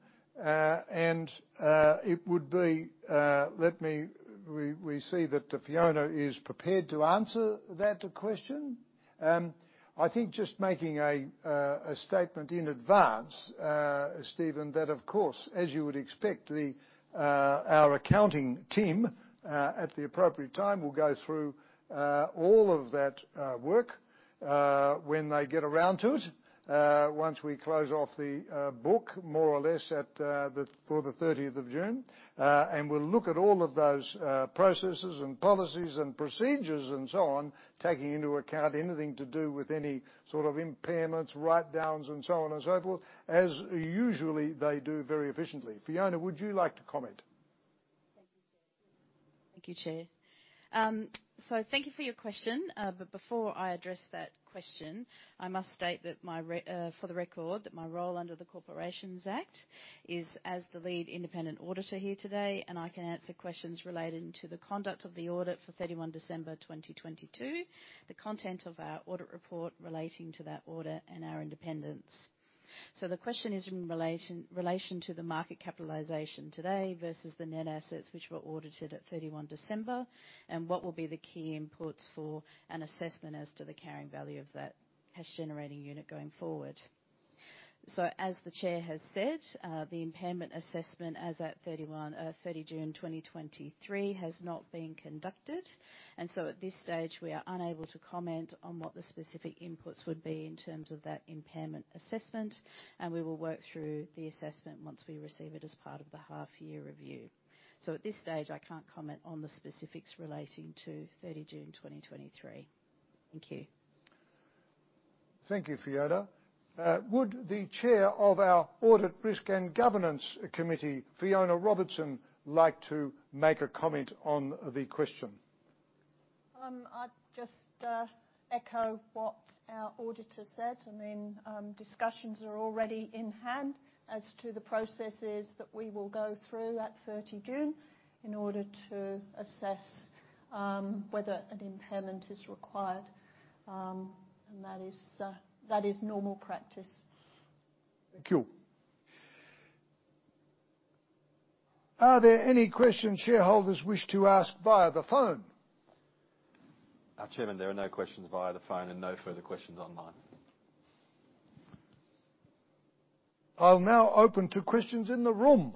Speaker 1: We see that Fiona is prepared to answer that question. I think just making a statement in advance, Steven, that of course, as you would expect, our accounting team, at the appropriate time, will go through all of that work when they get around to it once we close off the book, more or less, at the, for the 30th of June. We'll look at all of those processes and policies and procedures, and so on, taking into account anything to do with any sort of impairments, write-downs, and so on and so forth, as usually they do very efficiently. Fiona, would you like to comment?
Speaker 4: Thank you, Chair. Thank you for your question. Before I address that question, I must state that my for the record, that my role under the Corporations Act is as the lead independent auditor here today, and I can answer questions relating to the conduct of the audit for December 31, 2022, the content of our audit report relating to that audit, and our independence. The question is in relation to the market capitalization today versus the net assets, which were audited at 31 December, and what will be the key inputs for an assessment as to the carrying value of that cash-generating unit going forward? As the Chair has said, the impairment assessment as at June 31, 2023, has not been conducted.
Speaker 5: At this stage, we are unable to comment on what the specific inputs would be in terms of that impairment assessment, and we will work through the assessment once we receive it as part of the half-year review. At this stage, I can't comment on the specifics relating to June 30, 2023. Thank you.
Speaker 1: Thank you, Fiona. Would the chair of our Audit, Risk and Governance Committee, Fiona Robertson, like to make a comment on the question?
Speaker 5: I'd just echo what our auditor said. I mean, discussions are already in hand as to the processes that we will go through at 30 June in order to assess whether an impairment is required. That is, that is normal practice.
Speaker 1: Thank you. Are there any questions shareholders wish to ask via the phone?
Speaker 2: Chairman, there are no questions via the phone and no further questions online.
Speaker 1: I'll now open to questions in the room.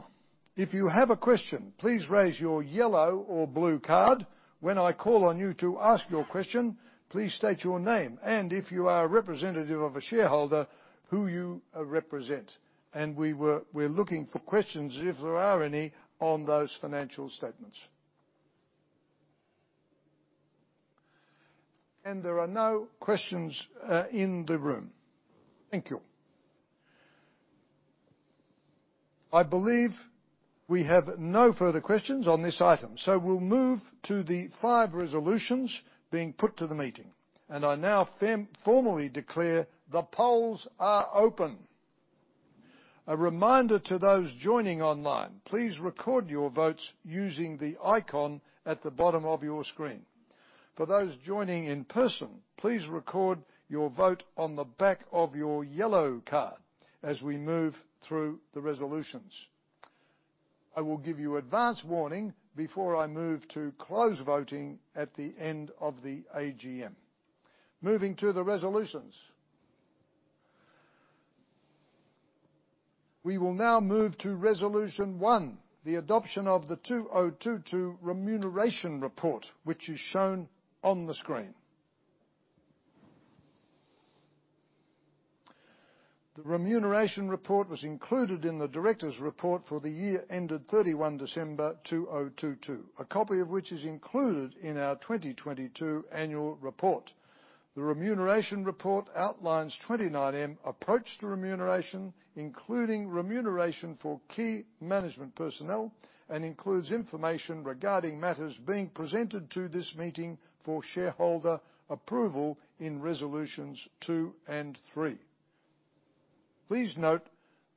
Speaker 1: If you have a question, please raise your yellow or blue card. When I call on you to ask your question, please state your name, and if you are a representative of a shareholder, who you represent. We're looking for questions, if there are any, on those financial statements. There are no questions in the room. Thank you. I believe we have no further questions on this item, so we'll move to the five resolutions being put to the meeting. I now formally declare the polls are open. A reminder to those joining online, please record your votes using the icon at the bottom of your screen. For those joining in person, please record your vote on the back of your yellow card as we move through the resolutions. I will give you advance warning before I move to close voting at the end of the AGM. Moving to the resolutions. We will now move to resolution one, the adoption of the 2022 Remuneration Report, which is shown on the screen. The remuneration report was included in the directors' report for the year ended December 31, 2022, a copy of which is included in our 2022 annual report. The remuneration report outlines 29Metals approach to remuneration, including remuneration for key management personnel, and includes information regarding matters being presented to this meeting for shareholder approval in resolutions two and three. Please note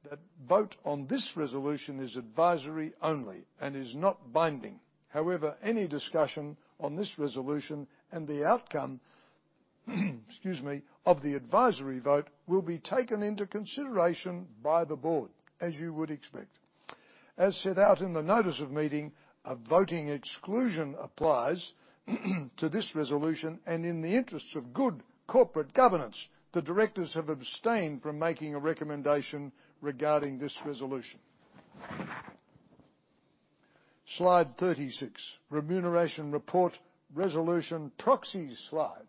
Speaker 1: that vote on this resolution is advisory only and is not binding. However, any discussion on this resolution and the outcome, excuse me, of the advisory vote will be taken into consideration by the board, as you would expect. As set out in the notice of meeting, a voting exclusion applies, to this resolution, and in the interests of good corporate governance, the directors have abstained from making a recommendation regarding this resolution. Slide 36, Remuneration Report Resolution Proxies slide.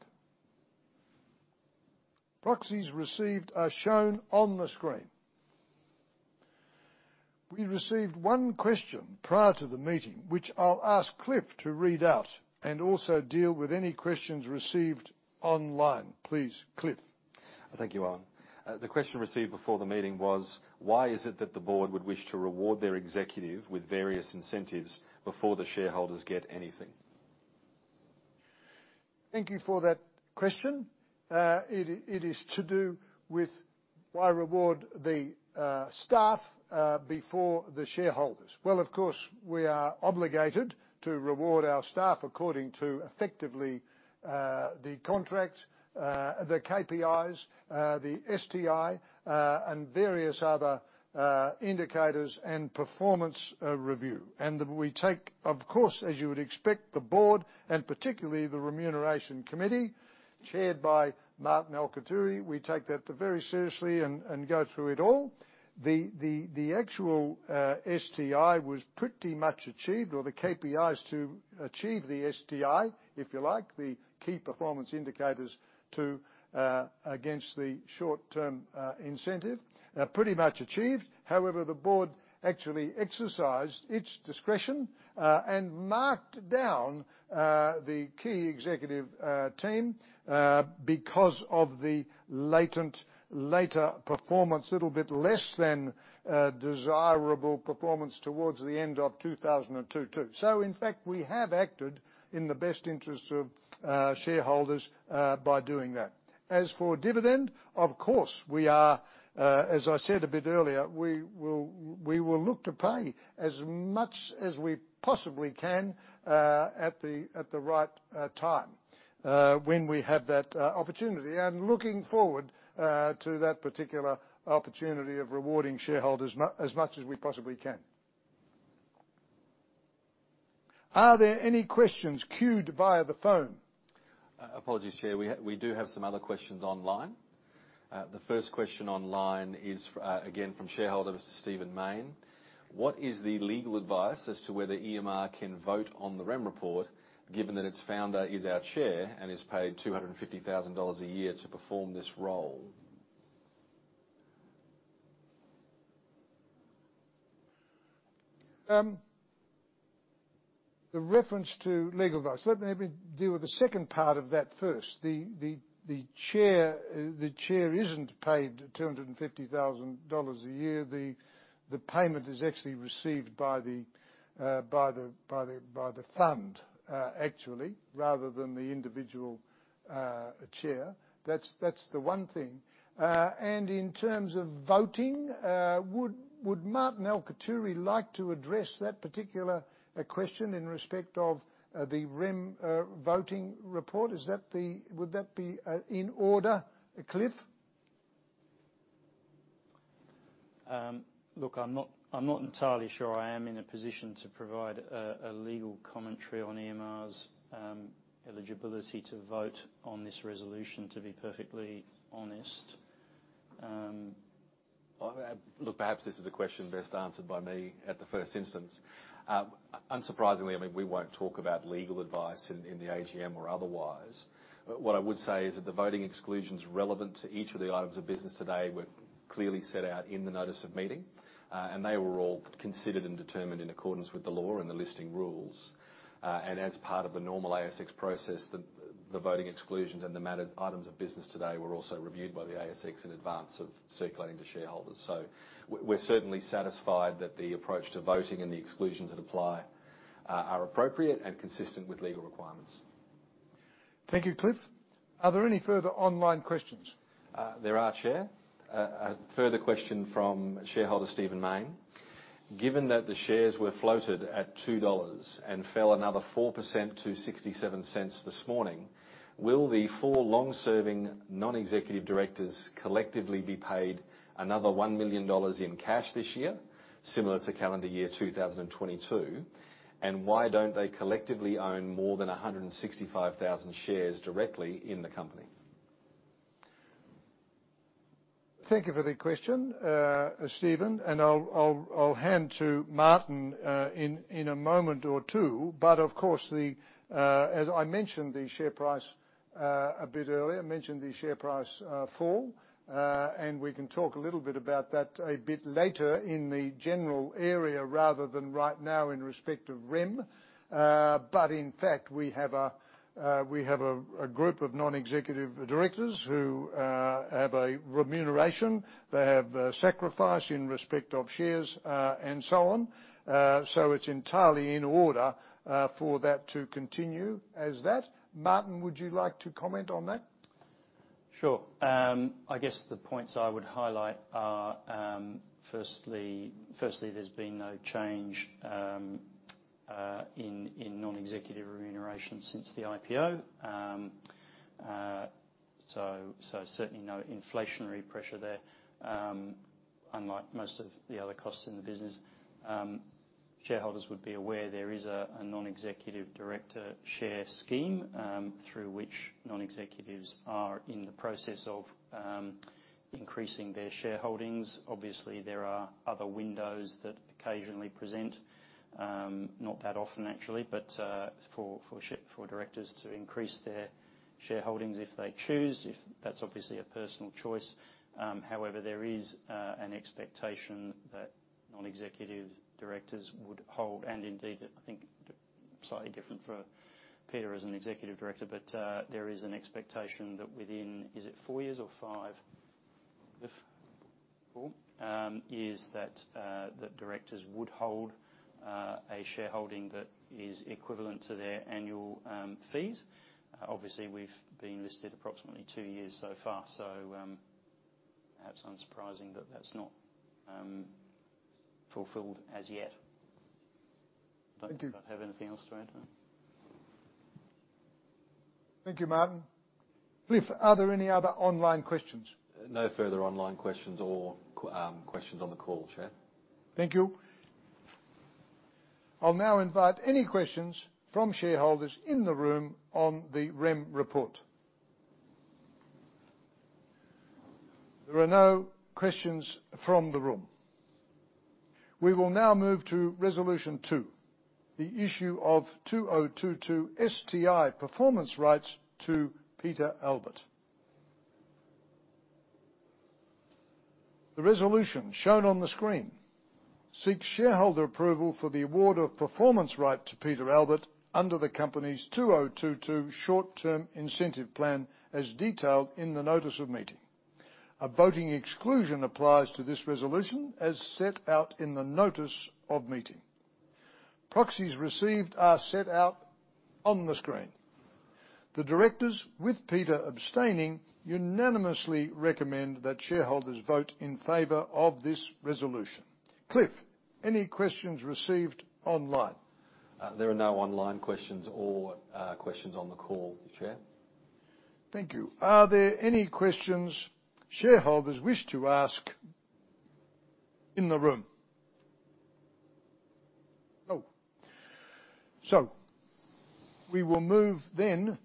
Speaker 1: Proxies received are shown on the screen. We received one question prior to the meeting, which I'll ask Cliff to read out and also deal with any questions received online. Please, Cliff.
Speaker 2: Thank you, Alan. The question received before the meeting was: Why is it that the board would wish to reward their executive with various incentives before the shareholders get anything?
Speaker 1: Thank you for that question. It is to do with why reward the staff before the shareholders. Well, of course, we are obligated to reward our staff according to, effectively, the contract, the KPIs, the STI, and various other indicators and performance review. We take, of course, as you would expect, the board, and particularly the Remuneration Committee, chaired by Martin Alciaturi, we take that very seriously and go through it all. The actual STI was pretty much achieved, or the KPIs to achieve the STI, if you like, the key performance indicators to against the short-term incentive pretty much achieved. The board actually exercised its discretion, and marked down, the key executive, team, because of the latent later performance, little bit less than, desirable performance towards the end of 2022. In fact, we have acted in the best interest of, shareholders, by doing that. As for dividend, of course, we are, as I said a bit earlier, we will look to pay as much as we possibly can, at the, at the right, time, when we have that, opportunity, and looking forward, to that particular opportunity of rewarding shareholders as much as we possibly can. Are there any questions queued via the phone?
Speaker 2: Apologies, Chair. We do have some other questions online. The first question online is again from shareholder Mr. Steven Mayne. What is the legal advice as to whether EMR can vote on the REM report, given that its founder is our Chair and is paid 250,000 dollars a year to perform this role?
Speaker 1: The reference to legal advice. Let me deal with the second part of that first. The chair isn't paid 250,000 dollars a year. The payment is actually received by the fund, actually, rather than the individual chair. That's the one thing. In terms of voting, would Martin Alciaturi like to address that particular question in respect of the REM voting report? Is that, would that be in order, Cliff?
Speaker 6: Look, I'm not entirely sure I am in a position to provide a legal commentary on EMR's eligibility to vote on this resolution, to be perfectly honest.
Speaker 2: Well, look, perhaps this is a question best answered by me at the first instance. Unsurprisingly, I mean, we won't talk about legal advice in the AGM or otherwise. What I would say is that the voting exclusions relevant to each of the items of business today were clearly set out in the notice of meeting. They were all considered and determined in accordance with the law and the listing rules. As part of the normal ASX process, the voting exclusions and the items of business today were also reviewed by the ASX in advance of circulating to shareholders. We're certainly satisfied that the approach to voting and the exclusions that apply are appropriate and consistent with legal requirements.
Speaker 1: Thank you, Cliff. Are there any further online questions?
Speaker 2: There are, Chair. A further question from shareholder Steven Mayne: "Given that the shares were floated at 2 dollars and fell another 4% to 0.67 this morning, will the four long-serving non-executive directors collectively be paid another 1 million dollars in cash this year, similar to calendar year 2022? Why don't they collectively own more than 165,000 shares directly in the company?
Speaker 1: Thank you for the question, Steven. I'll hand to Martin in a moment or two. Of course, the... As I mentioned, the share price a bit earlier, mentioned the share price fall. We can talk a little bit about that a bit later in the general area rather than right now in respect of Rem. In fact, we have a group of non-executive directors who have a remuneration. They have sacrifice in respect of shares and so on. It's entirely in order for that to continue as that. Martin, would you like to comment on that?
Speaker 6: Sure. I guess the points I would highlight are, firstly, there's been no change in non-executive remuneration since the IPO. Certainly no inflationary pressure there, unlike most of the other costs in the business. Shareholders would be aware there is a non-executive director share scheme, through which non-executives are in the process of increasing their shareholdings. Obviously, there are other windows that occasionally present, not that often, actually, but for directors to increase their shareholdings if they choose. That's obviously a personal choice. However, there is an expectation that non-executive directors would hold, and indeed, I think slightly different for Peter as an executive director, but there is an expectation that within, is it four years or five, Cliff? Is that the directors would hold a shareholding that is equivalent to their annual fees. We've been listed approximately two years so far, so perhaps unsurprising that that's not fulfilled as yet.
Speaker 1: Thank you.
Speaker 6: Do I have anything else to add to that?
Speaker 1: Thank you, Martin. Cliff, are there any other online questions?
Speaker 2: No further online questions or questions on the call, Chair.
Speaker 1: Thank you. I'll now invite any questions from shareholders in the room on the Rem report. There are no questions from the room. We will now move to Resolution two: the issue of 2022 STI performance rights to Peter Albert. The resolution, shown on the screen, seeks shareholder approval for the award of performance right to Peter Albert under the company's 2022 short-term incentive plan, as detailed in the notice of meeting. A voting exclusion applies to this resolution, as set out in the notice of meeting. Proxies received are set out on the screen. The directors, with Peter abstaining, unanimously recommend that shareholders vote in favor of this resolution. Cliff, any questions received online?
Speaker 2: There are no online questions or questions on the call, Chair.
Speaker 1: Thank you. Are there any questions shareholders wish to ask in the room? No. We will move then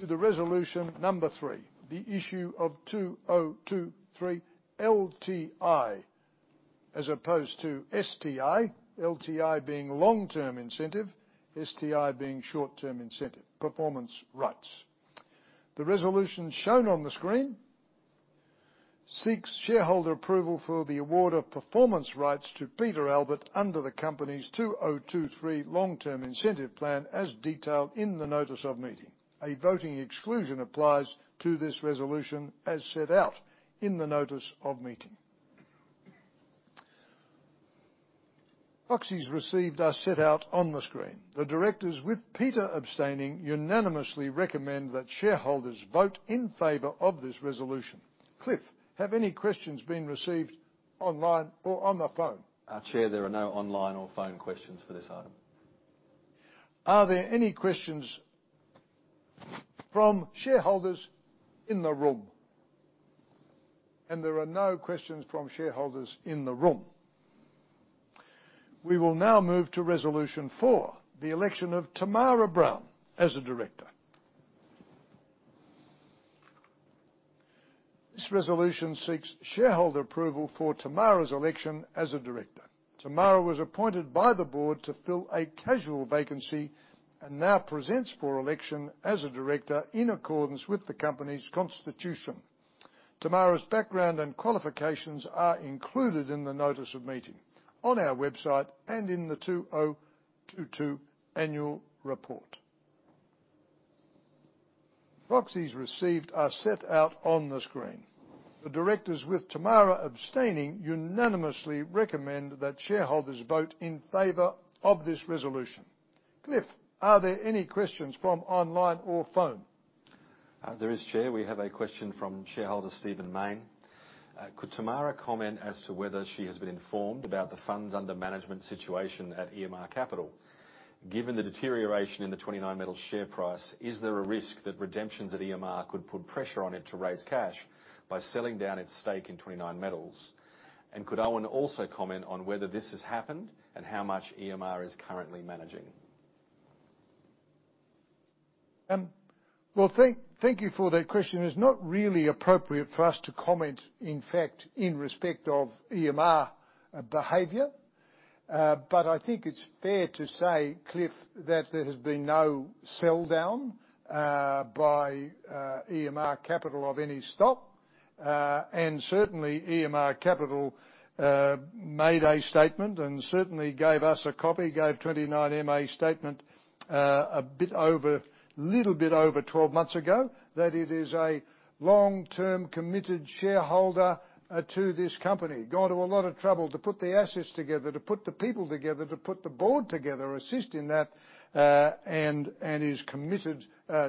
Speaker 1: to the Resolution number three, the issue of 2023 LTI as opposed to STI. LTI being long-term incentive, STI being short-term incentive, performance rights. The resolution shown on the screen seeks shareholder approval for the award of performance rights to Peter Albert under the company's 2023 long-term incentive plan, as detailed in the notice of meeting. A voting exclusion applies to this resolution, as set out in the notice of meeting. Proxies received are set out on the screen. The directors, with Peter abstaining, unanimously recommend that shareholders vote in favor of this resolution. Cliff, have any questions been received online or on the phone?
Speaker 2: Chair, there are no online or phone questions for this item.
Speaker 1: Are there any questions from shareholders in the room? There are no questions from shareholders in the room. We will now move to Resolution 4: the election of Tamara Brown as a director. This resolution seeks shareholder approval for Tamara's election as a director. Tamara was appointed by the board to fill a casual vacancy and now presents for election as a director in accordance with the company's constitution. Tamara's background and qualifications are included in the notice of meeting, on our website, and in the 2022 annual report. Proxies received are set out on the screen. The directors, with Tamara abstaining, unanimously recommend that shareholders vote in favor of this resolution. Cliff, are there any questions from online or phone?
Speaker 2: There is, Chair. We have a question from shareholder Steven Mayne. "Could Tamara comment as to whether she has been informed about the funds under management situation at EMR Capital? Given the deterioration in the 29Metals share price, is there a risk that redemptions at EMR could put pressure on it to raise cash by selling down its stake in 29Metals? And could Owen also comment on whether this has happened and how much EMR is currently managing?
Speaker 1: Well, thank you for that question. It's not really appropriate for us to comment, in fact, in respect of EMR behavior. I think it's fair to say, Cliff, that there has been no sell down by EMR Capital of any stock. Certainly, EMR Capital made a statement and certainly gave us a copy, gave 29Metals a statement a little bit over 12 months ago, that it is a long-term, committed shareholder to this company. Gone to a lot of trouble to put the assets together, to put the people together, to put the board together, assist in that, and is committed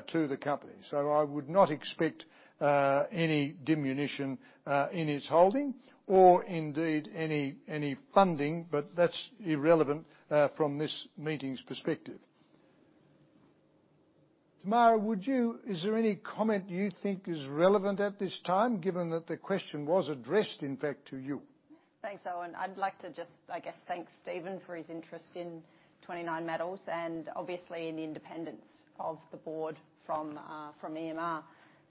Speaker 1: to the company. I would not expect any diminution in its holding or indeed any funding, but that's irrelevant from this meeting's perspective. Tamara, Is there any comment you think is relevant at this time, given that the question was addressed, in fact, to you?
Speaker 7: Thanks, Owen. I'd like to just, I guess, thank Steven for his interest in 29Metals and obviously in the independence of the board from EMR.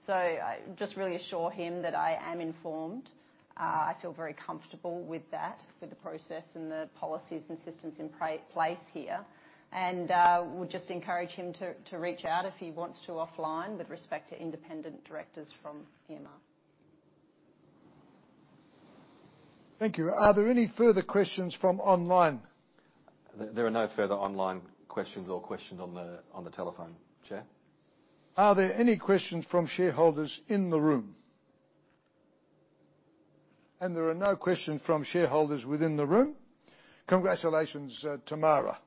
Speaker 7: I just really assure him that I am informed. I feel very comfortable with that, with the process and the policies and systems in place here. Would just encourage him to reach out if he wants to offline with respect to independent directors from EMR.
Speaker 1: Thank you. Are there any further questions from online?
Speaker 2: There are no further online questions or questions on the telephone, Chair.
Speaker 1: Are there any questions from shareholders in the room? There are no questions from shareholders within the room. Congratulations, Tamara.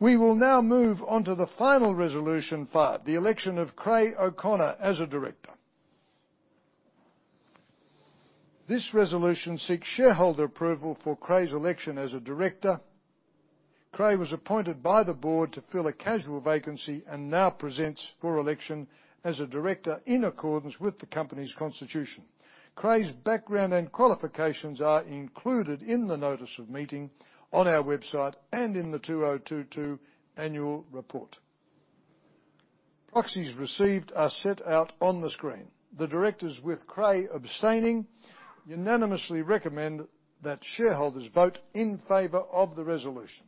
Speaker 1: We will now move on to the final Resolution five, the election of Creagh O'Connor as a director. This resolution seeks shareholder approval for Creagh's election as a director. Creagh was appointed by the board to fill a casual vacancy and now presents for election as a director in accordance with the company's constitution. Creagh's background and qualifications are included in the notice of meeting, on our website, and in the 2022 annual report. Proxies received are set out on the screen. The directors, with Creagh abstaining, unanimously recommend that shareholders vote in favor of the resolution.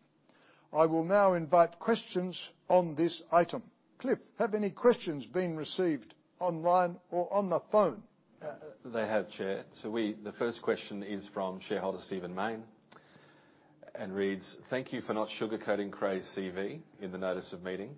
Speaker 1: I will now invite questions on this item. Cliff, have any questions been received online or on the phone?
Speaker 2: They have, Chair. The first question is from shareholder Steven Mayne and reads: "Thank you for not sugarcoating Creagh's CV in the notice of meeting.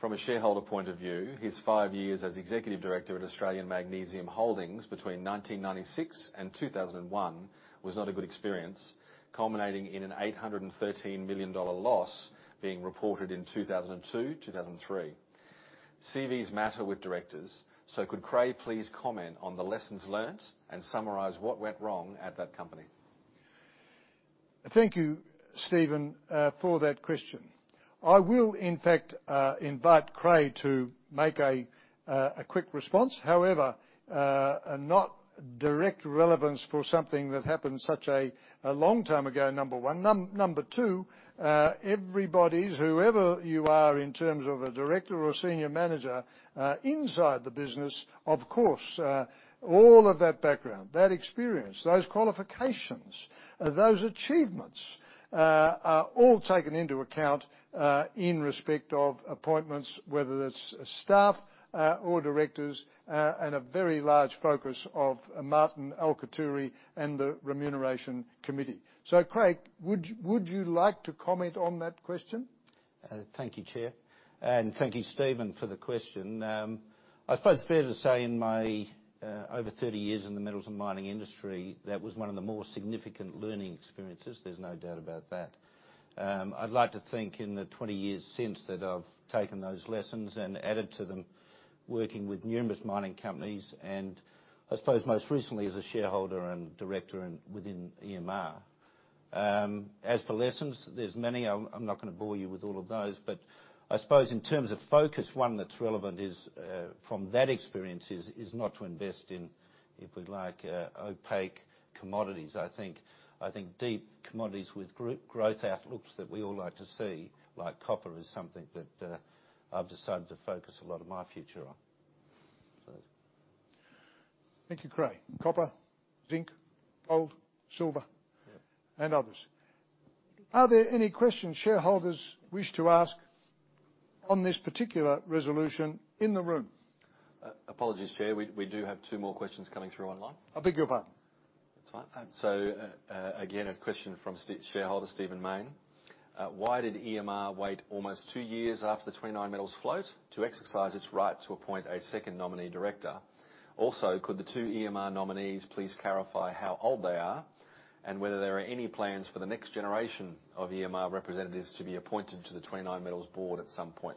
Speaker 2: From a shareholder point of view, his five years as executive director at Australian Magnesium Holdings between 1996 and 2001 was not a good experience, culminating in an 813 million dollar loss being reported in 2002, 2003. CVs matter with directors, so could Creagh please comment on the lessons learned and summarize what went wrong at that company?
Speaker 1: Thank you, Steven, for that question. I will, in fact, invite Creagh to make a quick response. However, not direct relevance for something that happened such a long time ago, number one. Number two, everybody, whoever you are in terms of a director or senior manager, inside the business, of course, all of that background, that experience, those qualifications, those achievements, are all taken into account, in respect of appointments, whether that's staff, or directors, and a very large focus of Martin Alciaturi and the Remuneration Committee. Creagh, would you like to comment on that question?
Speaker 8: Thank you, Chair. Thank you, Steven Mayne, for the question. I suppose it's fair to say, in my over 30 years in the metals and mining industry, that was one of the more significant learning experiences. There's no doubt about that. I'd like to think in the 20 years since that I've taken those lessons and added to them, working with numerous mining companies, I suppose most recently as a shareholder and director within EMR Capital. As for lessons, there's many. I'm not gonna bore you with all of those, but I suppose in terms of focus, one that's relevant from that experience is not to invest in, if we like, opaque commodities. I think deep commodities with growth outlooks that we all like to see, like copper, is something that I've decided to focus a lot of my future on, so.
Speaker 1: Thank you, Creagh. Copper, zinc, gold, silver...
Speaker 8: Yeah
Speaker 1: Are there any questions shareholders wish to ask on this particular resolution in the room?
Speaker 2: Apologies, Chair. We do have two more questions coming through online.
Speaker 1: I beg your pardon?
Speaker 2: That's fine. again, a question from shareholder Steven Mayne. "Why did EMR wait almost two years after the 29Metals float to exercise its right to appoint a second nominee director? Also, could the two EMR nominees please clarify how old they are, and whether there are any plans for the next generation of EMR representatives to be appointed to the 29Metals board at some point?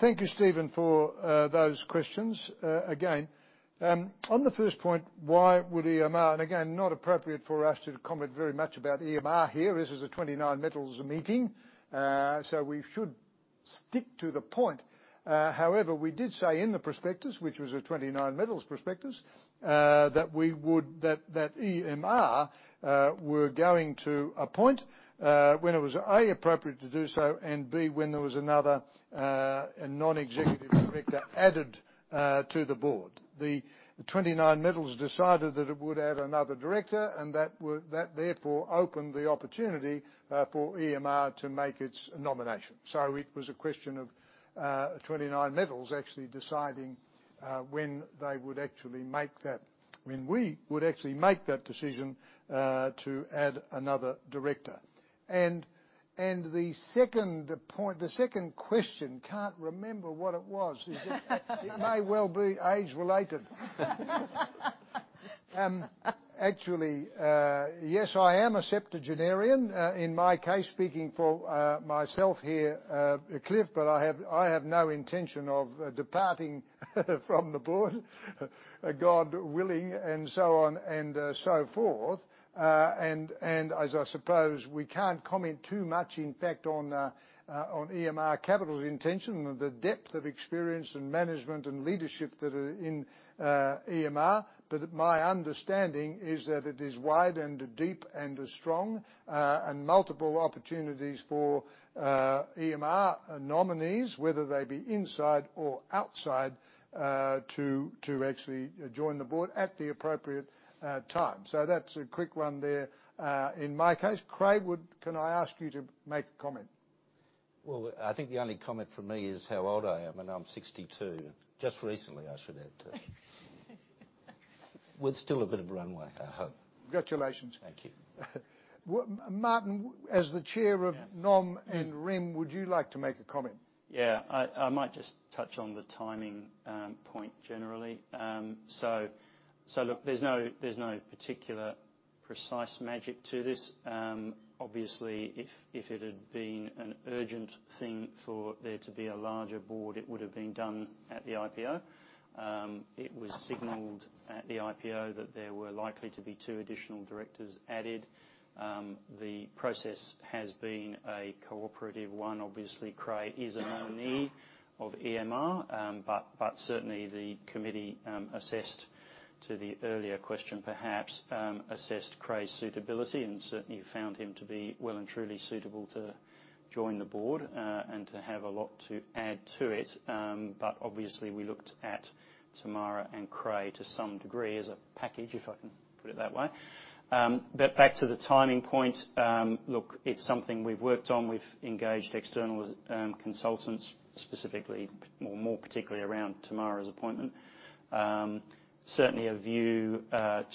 Speaker 1: Thank you, Steven, for those questions. Again, on the first point, why would EMR... Again, not appropriate for us to comment very much about EMR here. This is a 29Metals meeting. We should stick to the point. However, we did say in the prospectus, which was a 29Metals prospectus, that EMR were going to appoint when it was, A, appropriate to do so, and B, when there was another non-executive director added to the board. The 29Metals decided that it would add another director, and that therefore opened the opportunity for EMR to make its nomination. It was a question of 29Metals actually deciding when they would actually make that decision to add another director. The second point, the second question, can't remember what it was. It may well be age-related. Actually, yes, I am a septuagenarian. In my case, speaking for myself here, Cliff, but I have no intention of departing from the board, God willing, and so on and so forth. As I suppose, we can't comment too much, in fact, on EMR Capital's intention and the depth of experience and management and leadership that are in EMR. My understanding is that it is wide and deep and strong, and multiple opportunities for EMR nominees, whether they be inside or outside, to actually join the board at the appropriate time. That's a quick one there, in my case. Creagh, would... Can I ask you to make a comment?
Speaker 8: I think the only comment from me is how old I am, and I'm 62. Just recently, I should add, too. With still a bit of runway, I hope.
Speaker 1: Congratulations.
Speaker 8: Thank you.
Speaker 1: Well, Martin, as the Chair of Nom and Rem, would you like to make a comment?
Speaker 6: Yeah. I might just touch on the timing point generally. Look, there's no particular precise magic to this. Obviously, if it had been an urgent thing for there to be a larger board, it would have been done at the IPO. It was signaled at the IPO that there were likely to be two additional directors added. The process has been a cooperative one. Obviously, Creagh is a nominee of EMR, but certainly the committee assessed, to the earlier question, perhaps, Creagh's suitability and certainly found him to be well and truly suitable to join the board and to have a lot to add to it. Obviously, we looked at Tamara and Creagh, to some degree, as a package, if I can put it that way. Back to the timing point, it's something we've worked on. We've engaged external consultants, specifically, or more particularly around Tamara's appointment. Certainly a view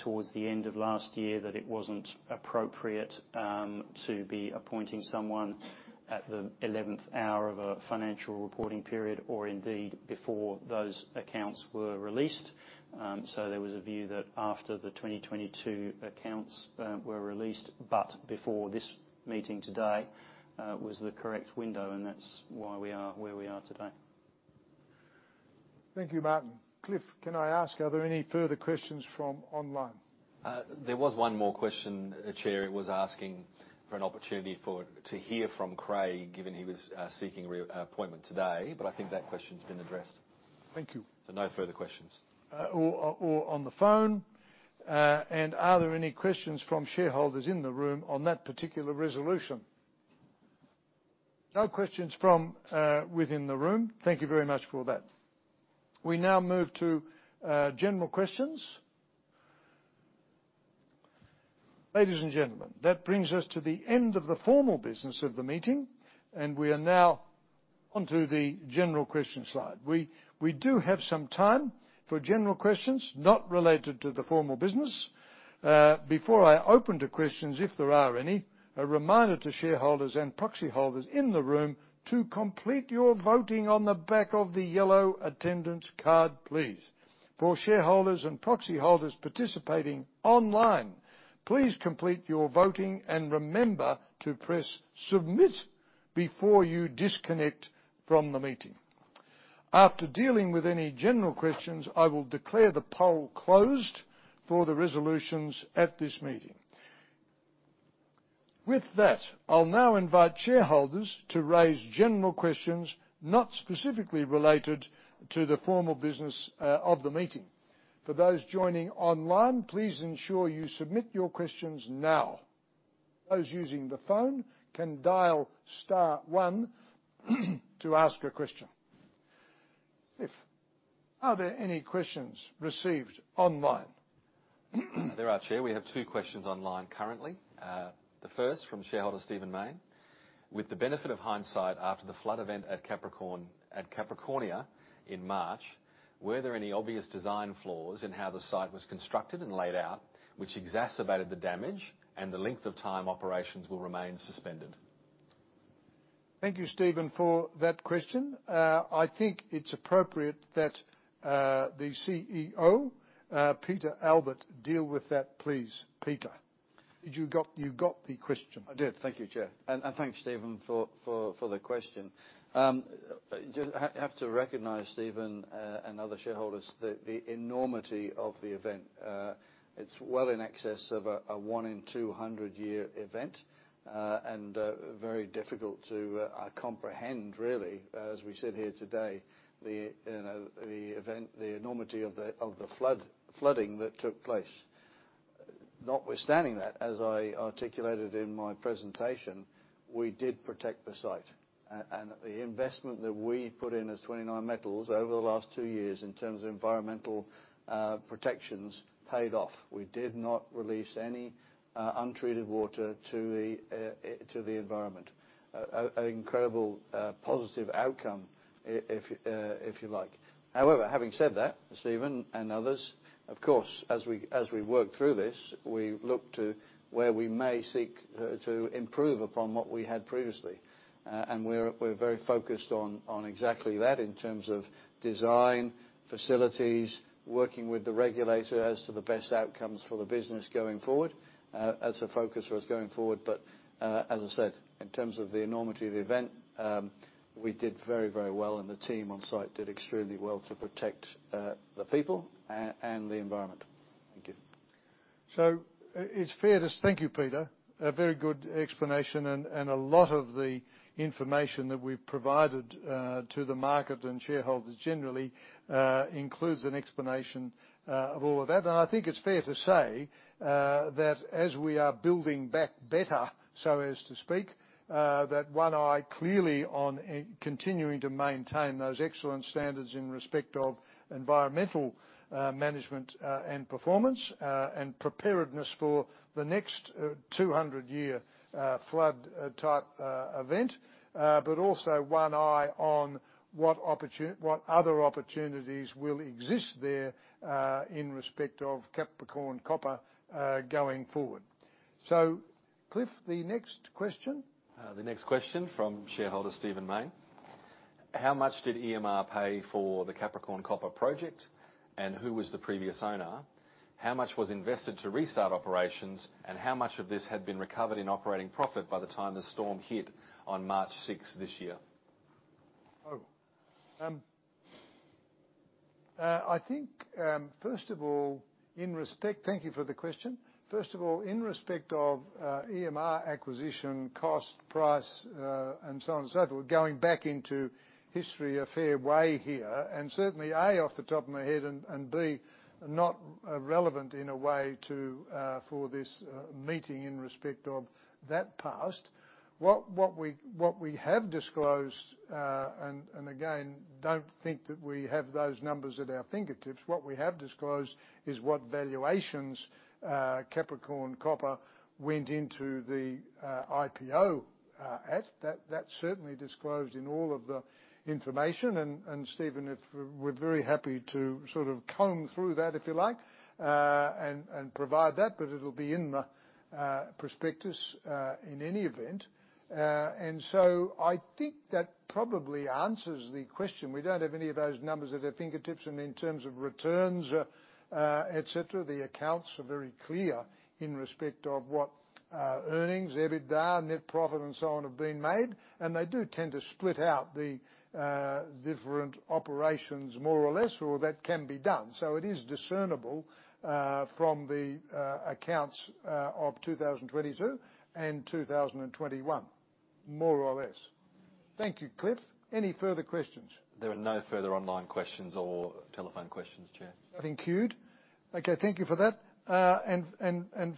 Speaker 6: towards the end of last year that it wasn't appropriate to be appointing someone at the eleventh hour of a financial reporting period or indeed before those accounts were released. There was a view that after the 2022 accounts were released, but before this meeting today, was the correct window, and that's why we are where we are today.
Speaker 1: Thank you, Martin. Cliff, can I ask, are there any further questions from online?
Speaker 2: There was one more question, Chair. It was asking for an opportunity for, to hear from Creagh, given he was seeking reappointment today. I think that question's been addressed.
Speaker 1: Thank you.
Speaker 2: No further questions.
Speaker 1: Or on the phone. Are there any questions from shareholders in the room on that particular resolution? No questions from within the room. Thank you very much for that. We now move to general questions. Ladies and gentlemen, that brings us to the end of the formal business of the meeting, we are now on to the general question slide. We do have some time for general questions not related to the formal business. Before I open to questions, if there are any, a reminder to shareholders and proxy holders in the room to complete your voting on the back of the yellow attendance card, please. For shareholders and proxy holders participating online, please complete your voting and remember to press Submit before you disconnect from the meeting. After dealing with any general questions, I will declare the poll closed for the resolutions at this meeting. With that, I'll now invite shareholders to raise general questions, not specifically related to the formal business of the meeting. For those joining online, please ensure you submit your questions now. Those using the phone can dial star one to ask a question. Are there any questions received online?
Speaker 2: There are, Chair. We have two questions online currently. The first from shareholder Steven Mayne: With the benefit of hindsight, after the flood event at Capricorn, at Capricornia in March, were there any obvious design flaws in how the site was constructed and laid out, which exacerbated the damage and the length of time operations will remain suspended?
Speaker 1: Thank you, Steven, for that question. I think it's appropriate that the CEO, Peter Albert, deal with that, please. Peter, you got the question?
Speaker 3: I did. Thank you, Chair. Thanks, Steven, for the question. Just have to recognize, Steven, and other shareholders, the enormity of the event. It's well in excess of a 1-in-200 year event, and very difficult to comprehend, really, as we sit here today, you know, the event, the enormity of the flood, flooding that took place. Notwithstanding that, as I articulated in my presentation, we did protect the site. The investment that we put in as 29Metals over the last two years, in terms of environmental protections, paid off. We did not release any untreated water to the environment. A incredible positive outcome, if you like. Having said that, Steven and others, of course, as we work through this, we look to where we may seek to improve upon what we had previously. We're very focused on exactly that in terms of design, facilities, working with the regulator as to the best outcomes for the business going forward as a focus for us going forward. As I said, in terms of the enormity of the event, we did very, very well, and the team on site did extremely well to protect the people and the environment. Thank you.
Speaker 1: It's fair to-- thank you, Peter. A very good explanation, and a lot of the information that we've provided, to the market and shareholders generally, includes an explanation of all of that. I think it's fair to say, that as we are building back better, so as to speak, that one eye clearly on, continuing to maintain those excellent standards in respect of environmental, management, and performance, and preparedness for the next 200 year flood type event. But also one eye on what other opportunities will exist there, in respect of Capricorn Copper, going forward. Cliff, the next question?
Speaker 2: The next question from shareholder Steven Mayne: How much did EMR pay for the Capricorn Copper project, and who was the previous owner? How much was invested to restart operations, and how much of this had been recovered in operating profit by the time the storm hit on March 6 this year?
Speaker 1: I think, first of all, thank you for the question. First of all, in respect of EMR acquisition, cost, price, and so on and so forth, we're going back into history a fair way here, and certainly, A, off the top of my head, and B, not relevant in a way to for this meeting in respect of that past. What we have disclosed, and again, don't think that we have those numbers at our fingertips. What we have disclosed is what valuations Capricorn Copper went into the IPO at. That's certainly disclosed in all of the information. Steven, if we're very happy to sort of comb through that, if you like, and provide that, but it'll be in the prospectus in any event. I think that probably answers the question. We don't have any of those numbers at our fingertips. In terms of returns, et cetera, the accounts are very clear in respect of what earnings, EBITDA, net profit, and so on, have been made. They do tend to split out the different operations, more or less, or that can be done. It is discernible from the accounts of 2022 and 2021, more or less. Thank you, Cliff. Any further questions?
Speaker 2: There are no further online questions or telephone questions, Chair.
Speaker 1: Nothing queued. Okay, thank you for that.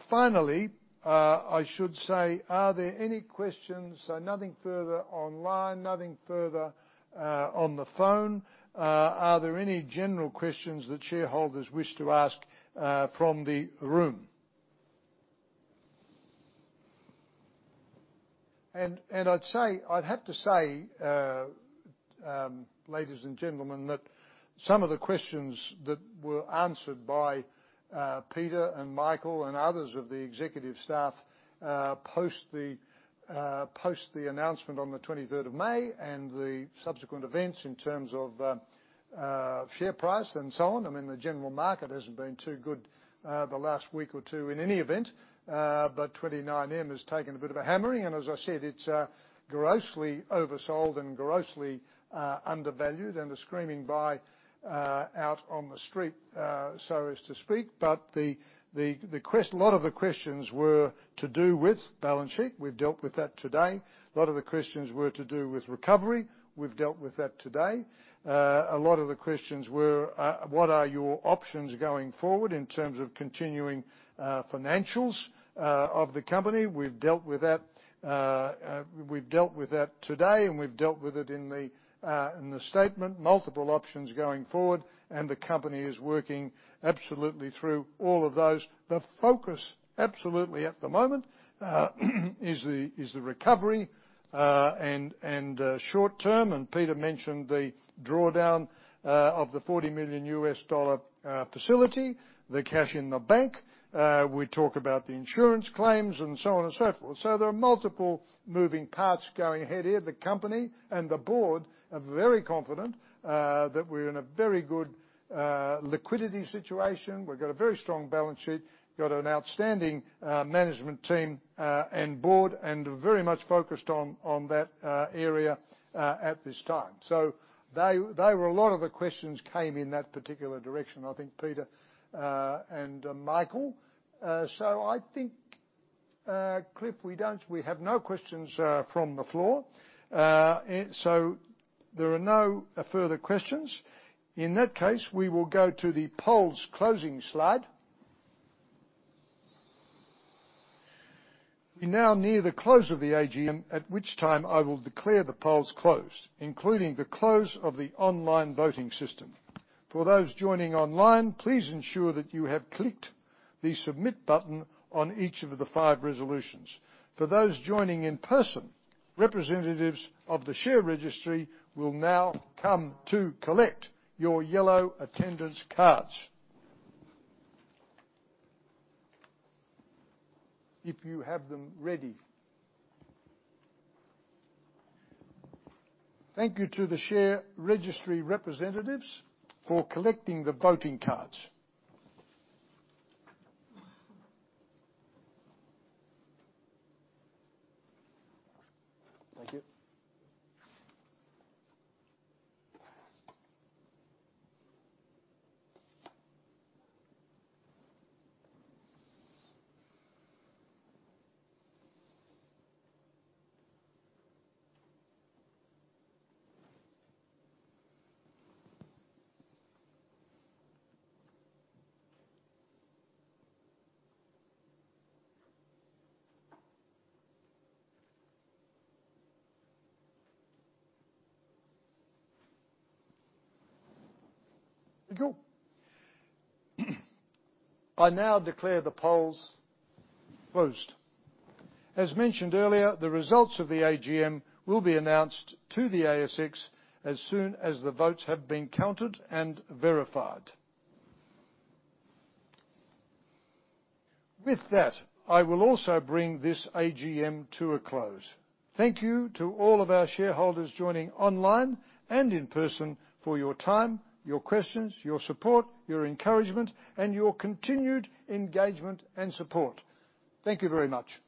Speaker 1: Finally, I should say, are there any questions? Nothing further online, nothing further on the phone. Are there any general questions that shareholders wish to ask from the room? I'd say, I'd have to say, ladies and gentlemen, that some of the questions that were answered by Peter and Michael and others of the executive staff, post the announcement on the 23rd of May, and the subsequent events in terms of share price and so on. I mean, the general market hasn't been too good, the last week or two in any event. 29M has taken a bit of a hammering, and as I said, it's grossly oversold and grossly undervalued and a screaming buy out on the street, so as to speak. A lot of the questions were to do with balance sheet. We've dealt with that today. A lot of the questions were to do with recovery. We've dealt with that today. A lot of the questions were, what are your options going forward in terms of continuing financials of the company? We've dealt with that. We've dealt with that today, and we've dealt with it in the in the statement. Multiple options going forward, the company is working absolutely through all of those. The focus, absolutely at the moment, is the recovery, and short term, Peter mentioned the drawdown of the $40 million U.S. dollar facility, the cash in the bank. We talk about the insurance claims and so on and so forth. There are multiple moving parts going ahead here. The company and the board are very confident that we're in a very good liquidity situation. We've got a very strong balance sheet, got an outstanding management team and board, very much focused on that area at this time. They were a lot of the questions came in that particular direction, I think, Peter, Michael. I think, Cliff, we have no questions from the floor. There are no further questions. In that case, we will go to the polls closing slide. We are now near the close of the AGM, at which time I will declare the polls closed, including the close of the online voting system. For those joining online, please ensure that you have clicked the Submit button on each of the five resolutions. For those joining in person, representatives of the share registry will now come to collect your yellow attendance cards. If you have them ready. Thank you to the share registry representatives for collecting the voting cards.
Speaker 7: Thank you.
Speaker 3: Thank you.
Speaker 1: I now declare the polls closed. As mentioned earlier, the results of the AGM will be announced to the ASX as soon as the votes have been counted and verified. With that, I will also bring this AGM to a close. Thank you to all of our shareholders joining online and in person for your time, your questions, your support, your encouragement, and your continued engagement and support. Thank you very much. Thank you.